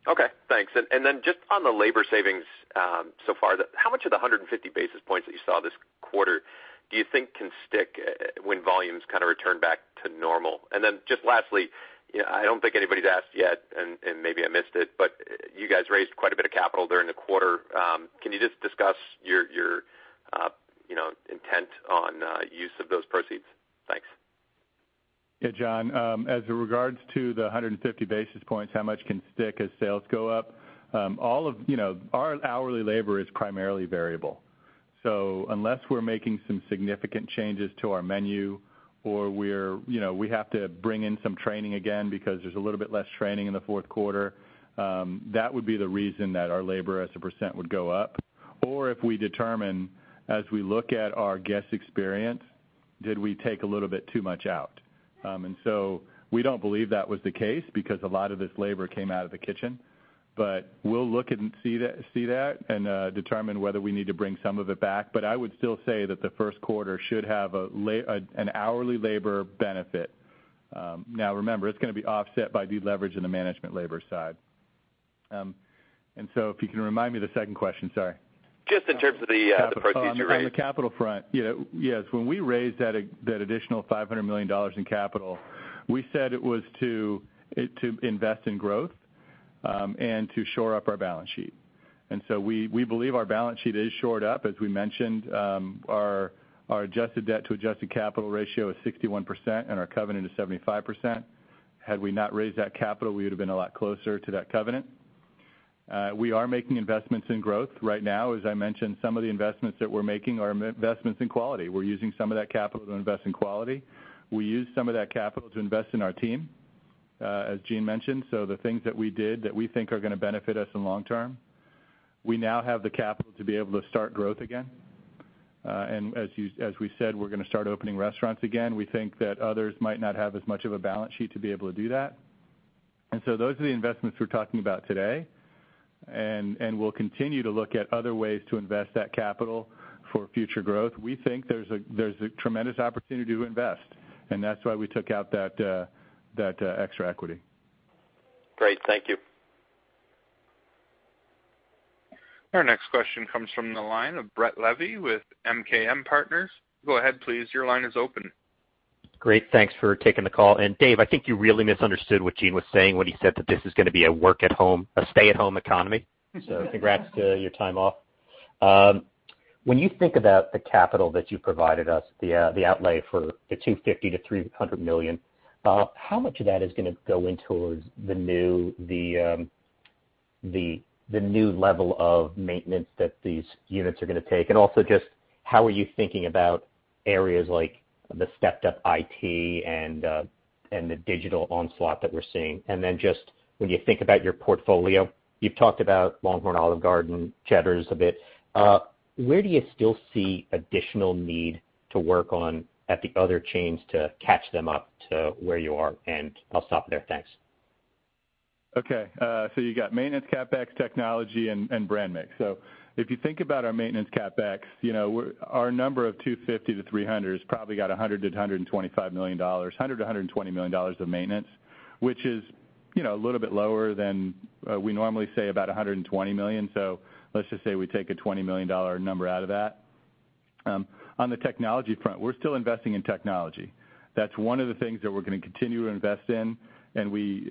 Okay, thanks. Then just on the labor savings so far, how much of the 150 basis points that you saw this quarter do you think can stick when volumes return back to normal? Then just lastly, I don't think anybody's asked yet, and maybe I missed it, but you guys raised quite a bit of capital during the quarter. Can you just discuss your intent on use of those proceeds? Thanks.
Hey, Jon. As it regards to the 150 basis points, how much can stick as sales go up? Our hourly labor is primarily variable. Unless we're making some significant changes to our menu or we have to bring in some training again because there's a little bit less training in the fourth quarter, that would be the reason that our labor as a percent would go up. If we determine, as we look at our guest experience. Did we take a little bit too much out? We don't believe that was the case because a lot of this labor came out of the kitchen. We'll look and see that and determine whether we need to bring some of it back. I would still say that the first quarter should have an hourly labor benefit. Now remember, it's going to be offset by deleverage in the management labor side. If you can remind me the second question, sorry.
Just in terms of the proceeds you raised.
On the capital front. Yes. When we raised that additional $500 million in capital, we said it was to invest in growth, and to shore up our balance sheet. We believe our balance sheet is shored up. As we mentioned, our adjusted debt to adjusted capital ratio is 61%, and our covenant is 75%. Had we not raised that capital, we would've been a lot closer to that covenant. We are making investments in growth right now. As I mentioned, some of the investments that we're making are investments in quality. We're using some of that capital to invest in quality. We used some of that capital to invest in our team, as Gene mentioned. The things that we did that we think are going to benefit us in long term. We now have the capital to be able to start growth again. As we said, we're going to start opening restaurants again. We think that others might not have as much of a balance sheet to be able to do that. Those are the investments we're talking about today, and we'll continue to look at other ways to invest that capital for future growth. We think there's a tremendous opportunity to invest, and that's why we took out that extra equity.
Great. Thank you.
Our next question comes from the line of Brett Levy with MKM Partners. Go ahead please, your line is open.
Great. Thanks for taking the call. Dave, I think you really misunderstood what Gene was saying when he said that this is going to be a stay-at-home economy. Congrats to your time off. When you think about the capital that you provided us, the outlay for the $250 million-$300 million, how much of that is going to go into the new level of maintenance that these units are going to take? Also just how are you thinking about areas like the stepped up IT and the digital onslaught that we're seeing? Then just when you think about your portfolio, you've talked about LongHorn, Olive Garden, Cheddar's a bit. Where do you still see additional need to work on at the other chains to catch them up to where you are? I'll stop there. Thanks.
Okay. You got maintenance, CapEx, technology, and brand mix. If you think about our maintenance CapEx, our number of $250 million to $300 million has probably got $100 million-$125 million. $100 million-$120 million of maintenance, which is a little bit lower than we normally say about $120 million. Let's just say we take a $20 million number out of that. On the technology front, we're still investing in technology. That's one of the things that we're going to continue to invest in. We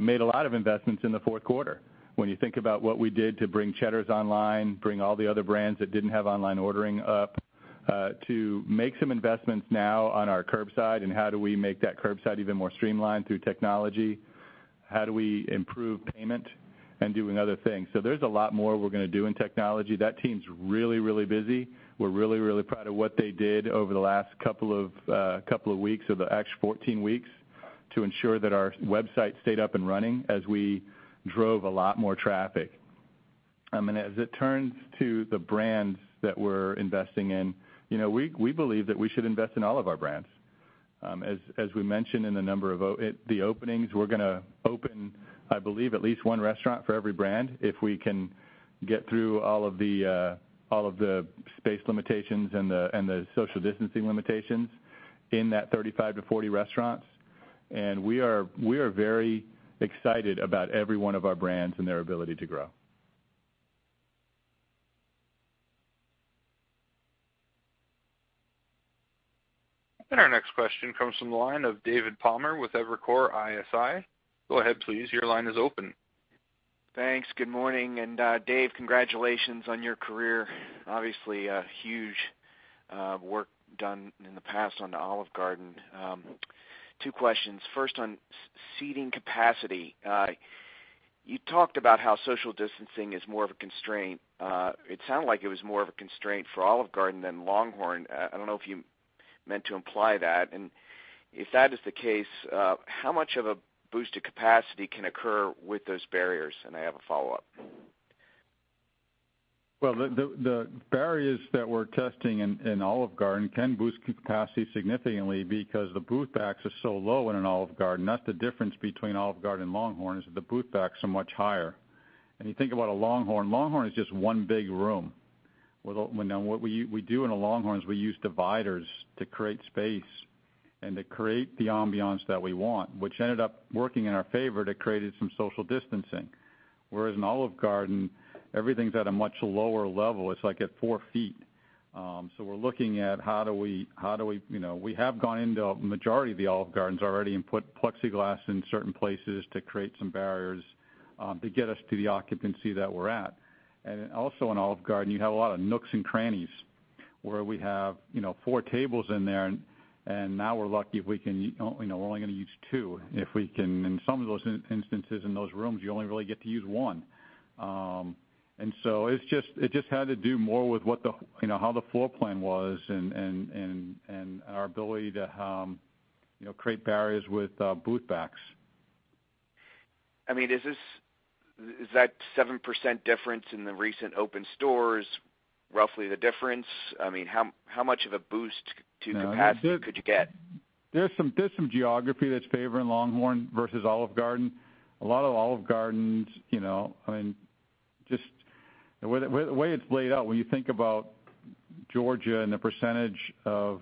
made a lot of investments in the fourth quarter. When you think about what we did to bring Cheddar's online, bring all the other brands that didn't have online ordering up, to make some investments now on our curbside, how do we make that curbside even more streamlined through technology? How do we improve payment and doing other things? There's a lot more we're going to do in technology. That team's really, really busy. We're really, really proud of what they did over the last couple of weeks, or the actual 14 weeks, to ensure that our website stayed up and running as we drove a lot more traffic. As it turns to the brands that we're investing in, we believe that we should invest in all of our brands. As we mentioned in the openings, we're going to open, I believe, at least one restaurant for every brand. If we can get through all of the space limitations and the social distancing limitations in that 35-40 restaurants. We are very excited about every one of our brands and their ability to grow.
Our next question comes from the line of David Palmer with Evercore ISI. Go ahead please, your line is open.
Thanks. Good morning. Dave, congratulations on your career. Obviously, huge work done in the past on the Olive Garden. Two questions. First on seating capacity. You talked about how social distancing is more of a constraint. It sounded like it was more of a constraint for Olive Garden than LongHorn. I don't know if you meant to imply that, and if that is the case, how much of a boost to capacity can occur with those barriers? I have a follow-up.
The barriers that we're testing in Olive Garden can boost capacity significantly because the booth backs are so low in an Olive Garden. That's the difference between Olive Garden and LongHorn, is that the booth backs are much higher. You think about a LongHorn is just one big room. What we do in a LongHorn is we use dividers to create space and to create the ambiance that we want, which ended up working in our favor to create some social distancing. Whereas in Olive Garden, everything's at a much lower level. It's like at four ft. We have gone into a majority of the Olive Gardens already and put plexiglass in certain places to create some barriers, to get us to the occupancy that we're at. Also in Olive Garden, you have a lot of nooks and crannies where we have four tables in there, and now we're lucky we're only going to use two. In some of those instances in those rooms, you only really get to use one. It just had to do more with how the floor plan was and our ability to create barriers with booth backs.
Is that 7% difference in the recent open stores roughly the difference? How much of a boost to capacity could you get?
There's some geography that's favoring LongHorn versus Olive Garden. A lot of Olive Gardens, just the way it's laid out, when you think about Georgia and the percentage of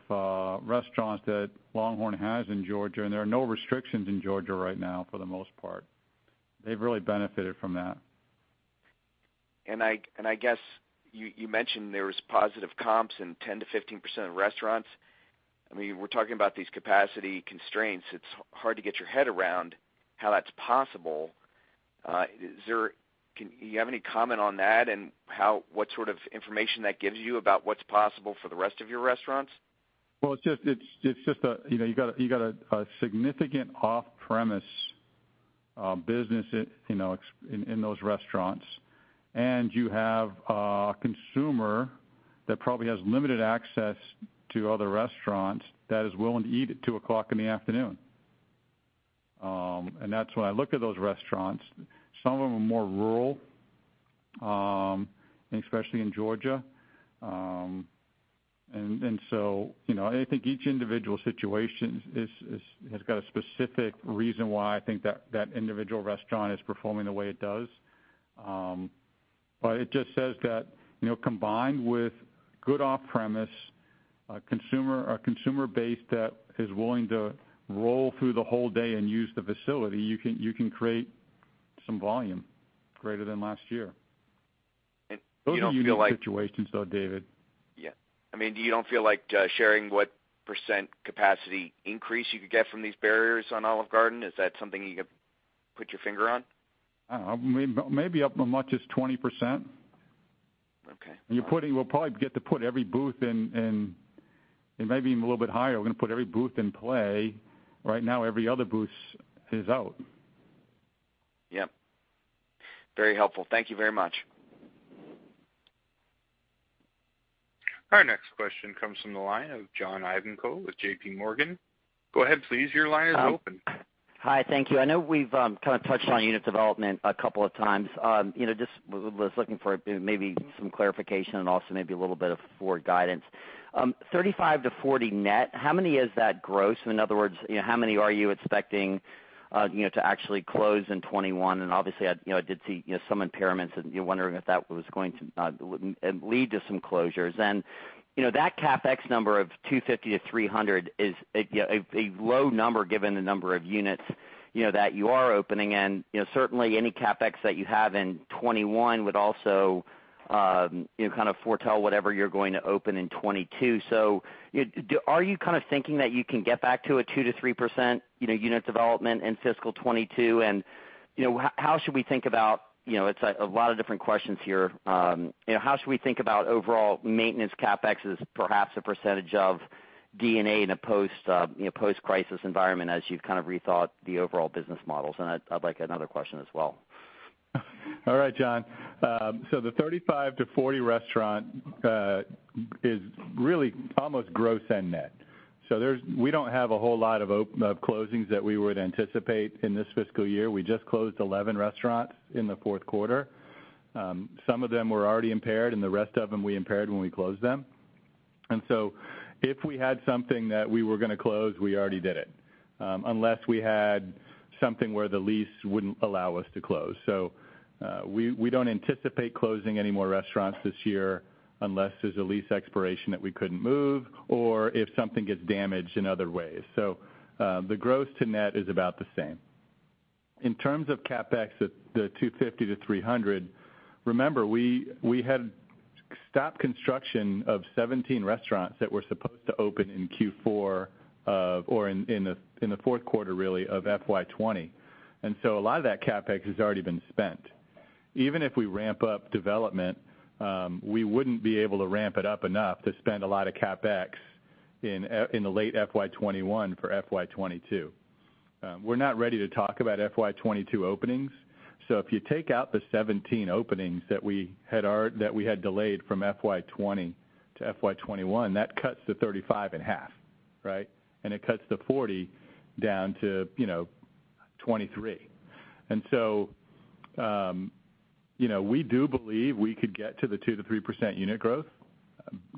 restaurants that LongHorn has in Georgia, and there are no restrictions in Georgia right now, for the most part. They've really benefited from that.
I guess you mentioned there was positive comps in 10%-15% of restaurants. We're talking about these capacity constraints. It's hard to get your head around how that's possible. Do you have any comment on that and what sort of information that gives you about what's possible for the rest of your restaurants?
You've got a significant off-premise business in those restaurants, and you have a consumer that probably has limited access to other restaurants that is willing to eat at 2:00 in the afternoon. That's when I look at those restaurants, some of them are more rural. Especially in Georgia. I think each individual situation has got a specific reason why I think that that individual restaurant is performing the way it does. It just says that combined with good off-premise, a consumer base that is willing to roll through the whole day and use the facility, you can create some volume greater than last year. Those are unique situations, though, David.
Yeah. Do you don't feel like sharing what percent capacity increase you could get from these barriers on Olive Garden? Is that something you could put your finger on?
Maybe up as much as 20%.
Okay.
We'll probably get to put every booth in, and maybe even a little bit higher. We're going to put every booth in play. Right now, every other booth is out.
Yep. Very helpful. Thank you very much.
Our next question comes from the line of John Ivankoe with JPMorgan. Go ahead, please. Your line is open.
Hi, thank you. I know we've kind of touched on unit development a couple of times. Was looking for maybe some clarification and also maybe a little bit of forward guidance. 35-40 net, how many is that gross? In other words, how many are you expecting to actually close in 2021? Obviously, I did see some impairments, and you're wondering if that was going to lead to some closures. That CapEx number of $250 million-$300 million is a low number given the number of units that you are opening in. Certainly, any CapEx that you have in 2021 would also kind of foretell whatever you're going to open in 2022. Are you kind of thinking that you can get back to a 2%-3% unit development in fiscal 2022? It's a lot of different questions here. How should we think about overall maintenance CapEx as perhaps a percentage of D&A in a post-crisis environment as you've kind of rethought the overall business models? I'd like another question as well.
All right, John. The 35 to 40 restaurant is really almost gross and net. We don't have a whole lot of closings that we would anticipate in this fiscal year. We just closed 11 restaurants in the fourth quarter. Some of them were already impaired, and the rest of them we impaired when we closed them. If we had something that we were going to close, we already did it, unless we had something where the lease wouldn't allow us to close. We don't anticipate closing any more restaurants this year unless there's a lease expiration that we couldn't move or if something gets damaged in other ways. The gross to net is about the same. In terms of CapEx at the $250 million-$300 million, remember, we had stopped construction of 17 restaurants that were supposed to open in Q4 or in the fourth quarter, really, of FY 2020. A lot of that CapEx has already been spent. Even if we ramp up development, we wouldn't be able to ramp it up enough to spend a lot of CapEx in the late FY 2021 for FY 2022. We're not ready to talk about FY 2022 openings. If you take out the 17 openings that we had delayed from FY 2020 to FY 2021, that cuts the 35 in half. Right? It cuts the 40 down to 23. We do believe we could get to the 2%-3% unit growth,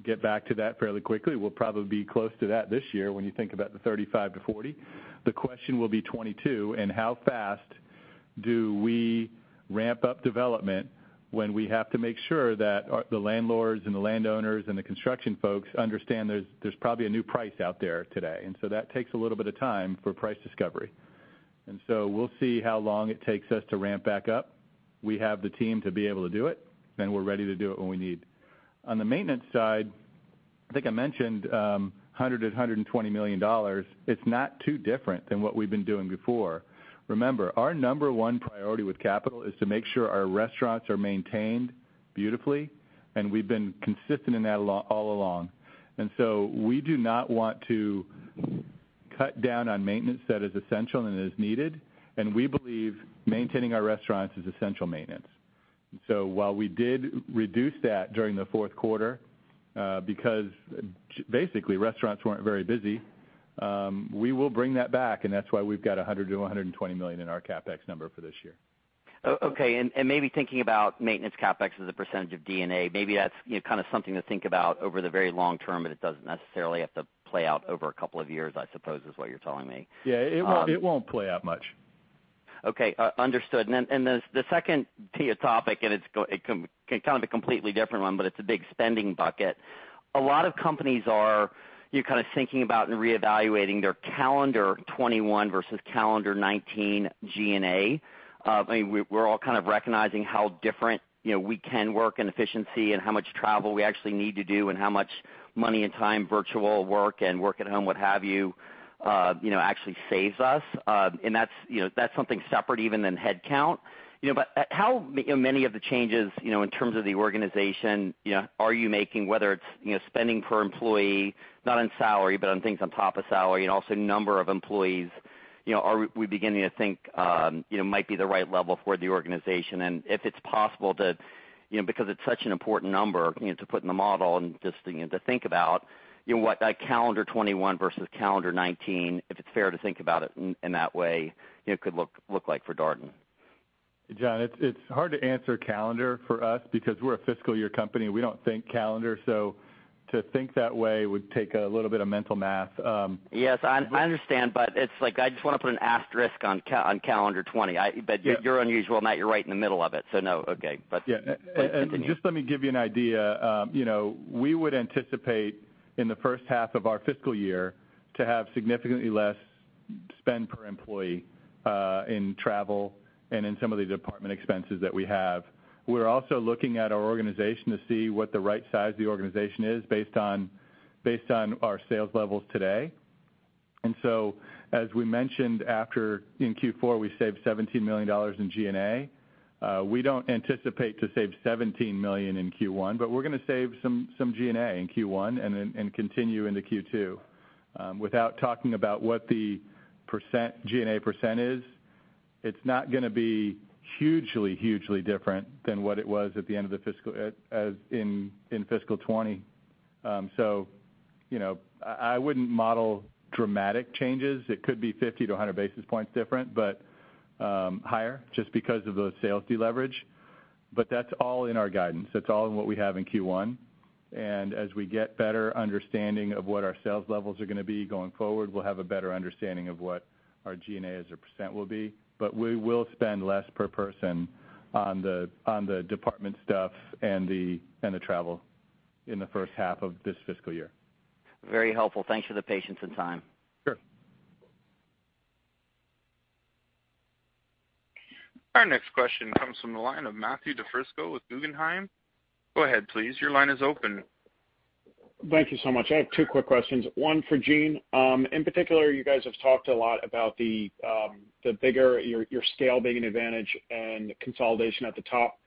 get back to that fairly quickly. We'll probably be close to that this year when you think about the 35-40. The question will be 2022 and how fast do we ramp up development when we have to make sure that the landlords and the landowners and the construction folks understand there's probably a new price out there today. That takes a little bit of time for price discovery. We'll see how long it takes us to ramp back up. We have the team to be able to do it, and we're ready to do it when we need. On the maintenance side, I think I mentioned $100 million-$120 million. It's not too different than what we've been doing before. Remember, our number one priority with capital is to make sure our restaurants are maintained beautifully, and we've been consistent in that all along. We do not want to cut down on maintenance that is essential and is needed, and we believe maintaining our restaurants is essential maintenance. While we did reduce that during the fourth quarter, because basically restaurants weren't very busy, we will bring that back, and that's why we've got $100 million-$120 million in our CapEx number for this year.
Okay. Maybe thinking about maintenance CapEx as a percentage of D&A, maybe that's something to think about over the very long term, but it doesn't necessarily have to play out over a couple of years, I suppose, is what you're telling me.
Yeah. It won't play out much.
Okay. Understood. The second topic, and it's kind of a completely different one, but it's a big spending bucket. A lot of companies are thinking about and reevaluating their calendar 2021 versus calendar 2019 G&A. We're all recognizing how different we can work in efficiency and how much travel we actually need to do, and how much money and time virtual work and work at home, what have you, actually saves us. That's something separate even than head count. How many of the changes, in terms of the organization, are you making, whether it's spending per employee, not on salary, but on things on top of salary, and also number of employees? Are we beginning to think might be the right level for the organization? If it's possible to, because it's such an important number to put in the model and just to think about, what that calendar 2021 versus calendar 2019, if it's fair to think about it in that way, could look like for Darden?
John, it's hard to answer calendar for us because we're a fiscal year company. We don't think calendar. To think that way would take a little bit of mental math.
Yes, I understand. It's like I just want to put an asterisk on calendar 2020. You're unusual. Now you're right in the middle of it, so no. Okay. Please continue.
Just let me give you an idea. We would anticipate in the first half of our fiscal year to have significantly less spend per employee, in travel and in some of the department expenses that we have. We're also looking at our organization to see what the right size of the organization is based on our sales levels today. As we mentioned in Q4, we saved $17 million in G&A. We don't anticipate to save $17 million in Q1, but we're going to save some G&A in Q1 and continue into Q2. Without talking about what the G&A percent is, it's not going to be hugely different than what it was in fiscal 2020. I wouldn't model dramatic changes. It could be 50-100 basis points different, but higher just because of the sales deleverage. That's all in our guidance. That's all in what we have in Q1. As we get better understanding of what our sales levels are going to be going forward, we'll have a better understanding of what our G&A as a % will be. We will spend less per person on the department stuff and the travel in the first half of this fiscal year.
Very helpful. Thanks for the patience and time.
Sure.
Our next question comes from the line of Matthew DiFrisco with Guggenheim. Go ahead, please. Your line is open.
Thank you so much. I have two quick questions, one for Gene. In particular, you guys have talked a lot about your scale being an advantage and consolidation at the top.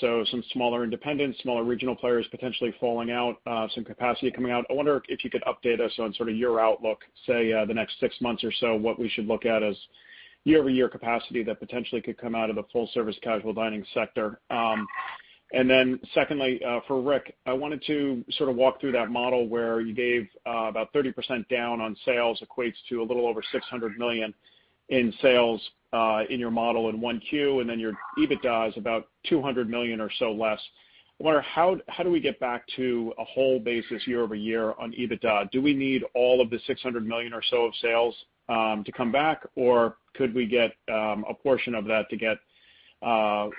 Some smaller independents, smaller regional players, potentially falling out, some capacity coming out. I wonder if you could update us on your outlook, say, the next six months or so, what we should look at as year-over-year capacity that potentially could come out of the full-service casual dining sector. Secondly, for Rick, I wanted to walk through that model where you gave about 30% down on sales equates to a little over $600 million in sales, in your model in 1Q, and then your EBITDA is about $200 million or so less. I wonder how do we get back to a whole basis year-over-year on EBITDA? Do we need all of the $600 million or so of sales to come back, or could we get a portion of that to get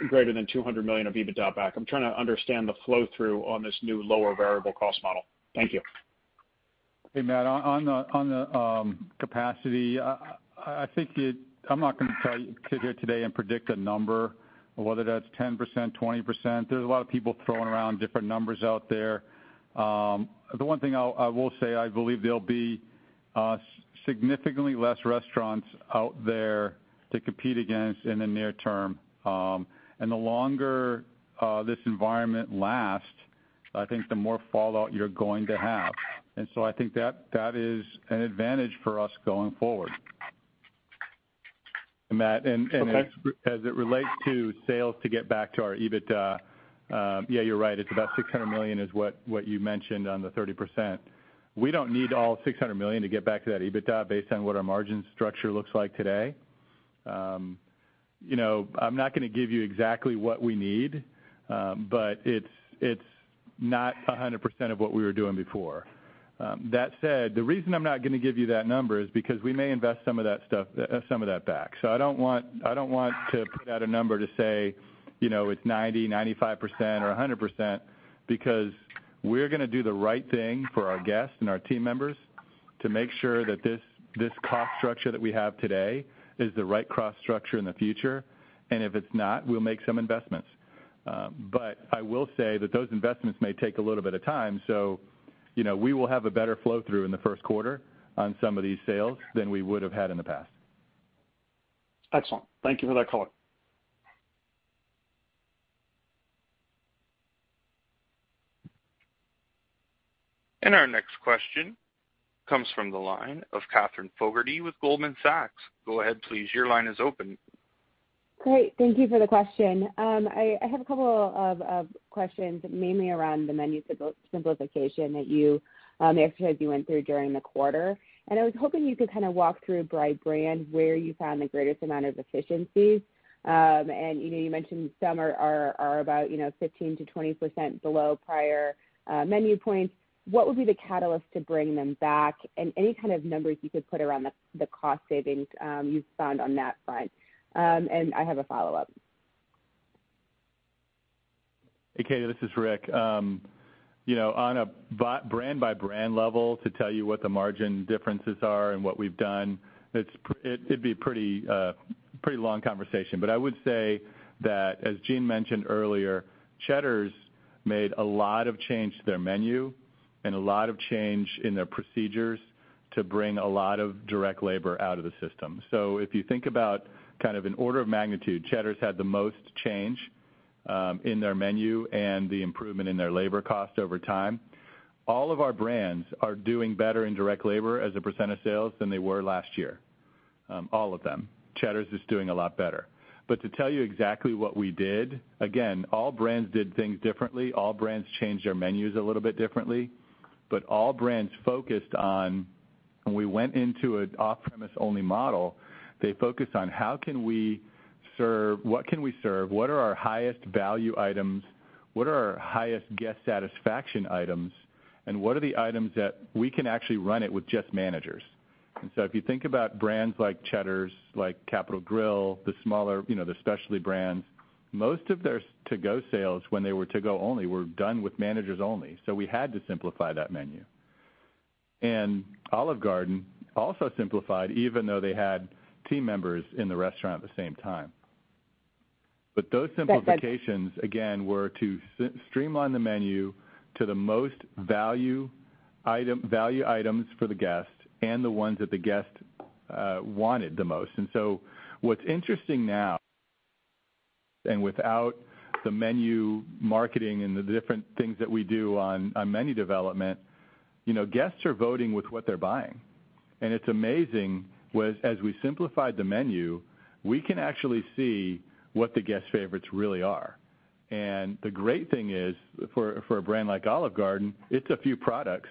greater than $200 million of EBITDA back? I'm trying to understand the flow-through on this new lower variable cost model. Thank you.
Hey, Matt. On the capacity, I'm not going to tell you sit here today and predict a number, whether that's 10%, 20%. There's a lot of people throwing around different numbers out there. The one thing I will say, I believe there'll be significantly less restaurants out there to compete against in the near term. The longer this environment lasts, I think the more fallout you're going to have. I think that is an advantage for us going forward.
Matt, as it relates to sales to get back to our EBITDA, yeah, you're right. It's about $600 million is what you mentioned on the 30%. We don't need all $600 million to get back to that EBITDA based on what our margin structure looks like today. I'm not going to give you exactly what we need. It's not 100% of what we were doing before. That said, the reason I'm not going to give you that number is because we may invest some of that back. I don't want to put out a number to say it's 90%, 95%, or 100%, because we're going to do the right thing for our guests and our team members to make sure that this cost structure that we have today is the right cost structure in the future. If it's not, we'll make some investments. I will say that those investments may take a little bit of time, so we will have a better flow through in the first quarter on some of these sales than we would have had in the past.
Excellent. Thank you for that color.
Our next question comes from the line of Katherine Fogertey with Goldman Sachs. Go ahead please. Your line is open.
Great. Thank you for the question. I have a couple of questions, mainly around the menu simplification that you, the exercise you went through during the quarter. I was hoping you could walk through by brand where you found the greatest amount of efficiencies. You mentioned some are about 15%-20% below prior menu points. What would be the catalyst to bring them back? Any kind of numbers you could put around the cost savings you found on that front. I have a follow-up.
Hey, Katie, this is Rick. On a brand-by-brand level, to tell you what the margin differences are and what we've done, it'd be a pretty long conversation. I would say that, as Gene mentioned earlier, Cheddar's made a lot of change to their menu and a lot of change in their procedures to bring a lot of direct labor out of the system. If you think about an order of magnitude, Cheddar's had the most change in their menu and the improvement in their labor cost over time. All of our brands are doing better in direct labor as a percent of sales than they were last year. All of them. Cheddar's is doing a lot better. To tell you exactly what we did, again, all brands did things differently. All brands changed their menus a little bit differently. All brands focused on, when we went into an off-premise only model, they focused on what can we serve, what are our highest value items, what are our highest guest satisfaction items, and what are the items that we can actually run it with just managers. If you think about brands like Cheddar's, like Capital Grille, the smaller, the specialty brands, most of their to-go sales when they were to-go only, were done with managers only. We had to simplify that menu. Olive Garden also simplified, even though they had team members in the restaurant at the same time. Those simplifications, again, were to streamline the menu to the most value items for the guest and the ones that the guest wanted the most. What's interesting now, without the menu marketing and the different things that we do on menu development, guests are voting with what they're buying. It's amazing, as we simplified the menu, we can actually see what the guests' favorites really are. The great thing is, for a brand like Olive Garden, it's a few products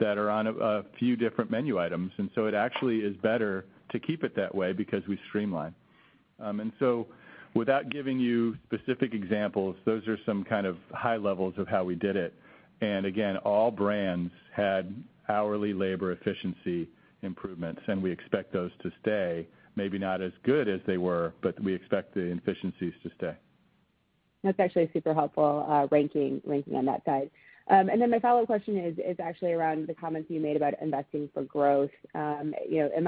that are on a few different menu items. It actually is better to keep it that way because we streamline. Without giving you specific examples, those are some kind of high levels of how we did it. Again, all brands had hourly labor efficiency improvements, and we expect those to stay. Maybe not as good as they were, but we expect the efficiencies to stay.
That's actually super helpful ranking on that side. My follow-up question is actually around the comments you made about investing for growth. Am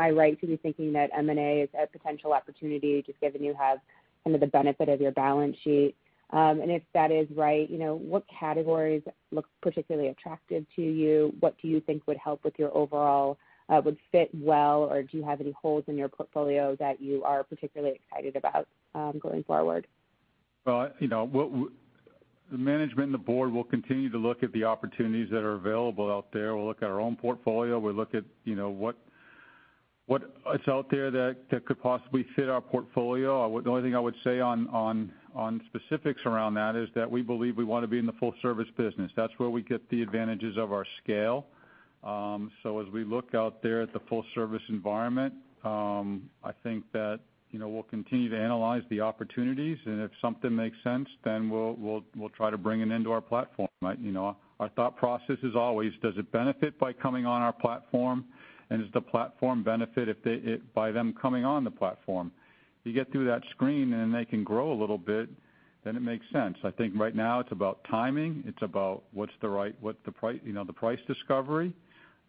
I right to be thinking that M&A is a potential opportunity, just given you have the benefit of your balance sheet? If that is right, what categories look particularly attractive to you? What do you think would help with your overall, would fit well, or do you have any holes in your portfolio that you are particularly excited about going forward?
Well, management and the board will continue to look at the opportunities that are available out there. We'll look at our own portfolio. We'll look at what is out there that could possibly fit our portfolio. The only thing I would say on specifics around that is that we believe we want to be in the full-service business. That's where we get the advantages of our scale. As we look out there at the full-service environment, I think that we'll continue to analyze the opportunities, and if something makes sense, then we'll try to bring it into our platform. Our thought process is always, does it benefit by coming on our platform, and does the platform benefit by them coming on the platform? You get through that screen and then they can grow a little bit, then it makes sense. I think right now it's about timing.
It's about the price discovery,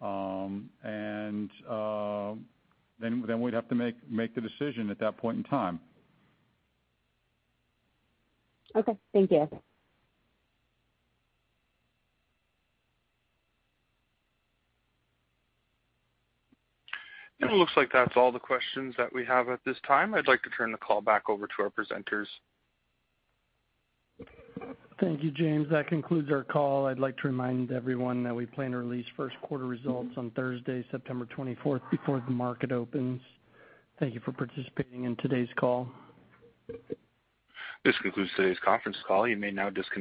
and then we'd have to make the decision at that point in time.
Okay. Thank you.
It looks like that's all the questions that we have at this time. I'd like to turn the call back over to our presenters.
Thank you, James. That concludes our call. I'd like to remind everyone that we plan to release first quarter results on Thursday, September 24th before the market opens. Thank you for participating in today's call.
This concludes today's conference call. You may now disconnect.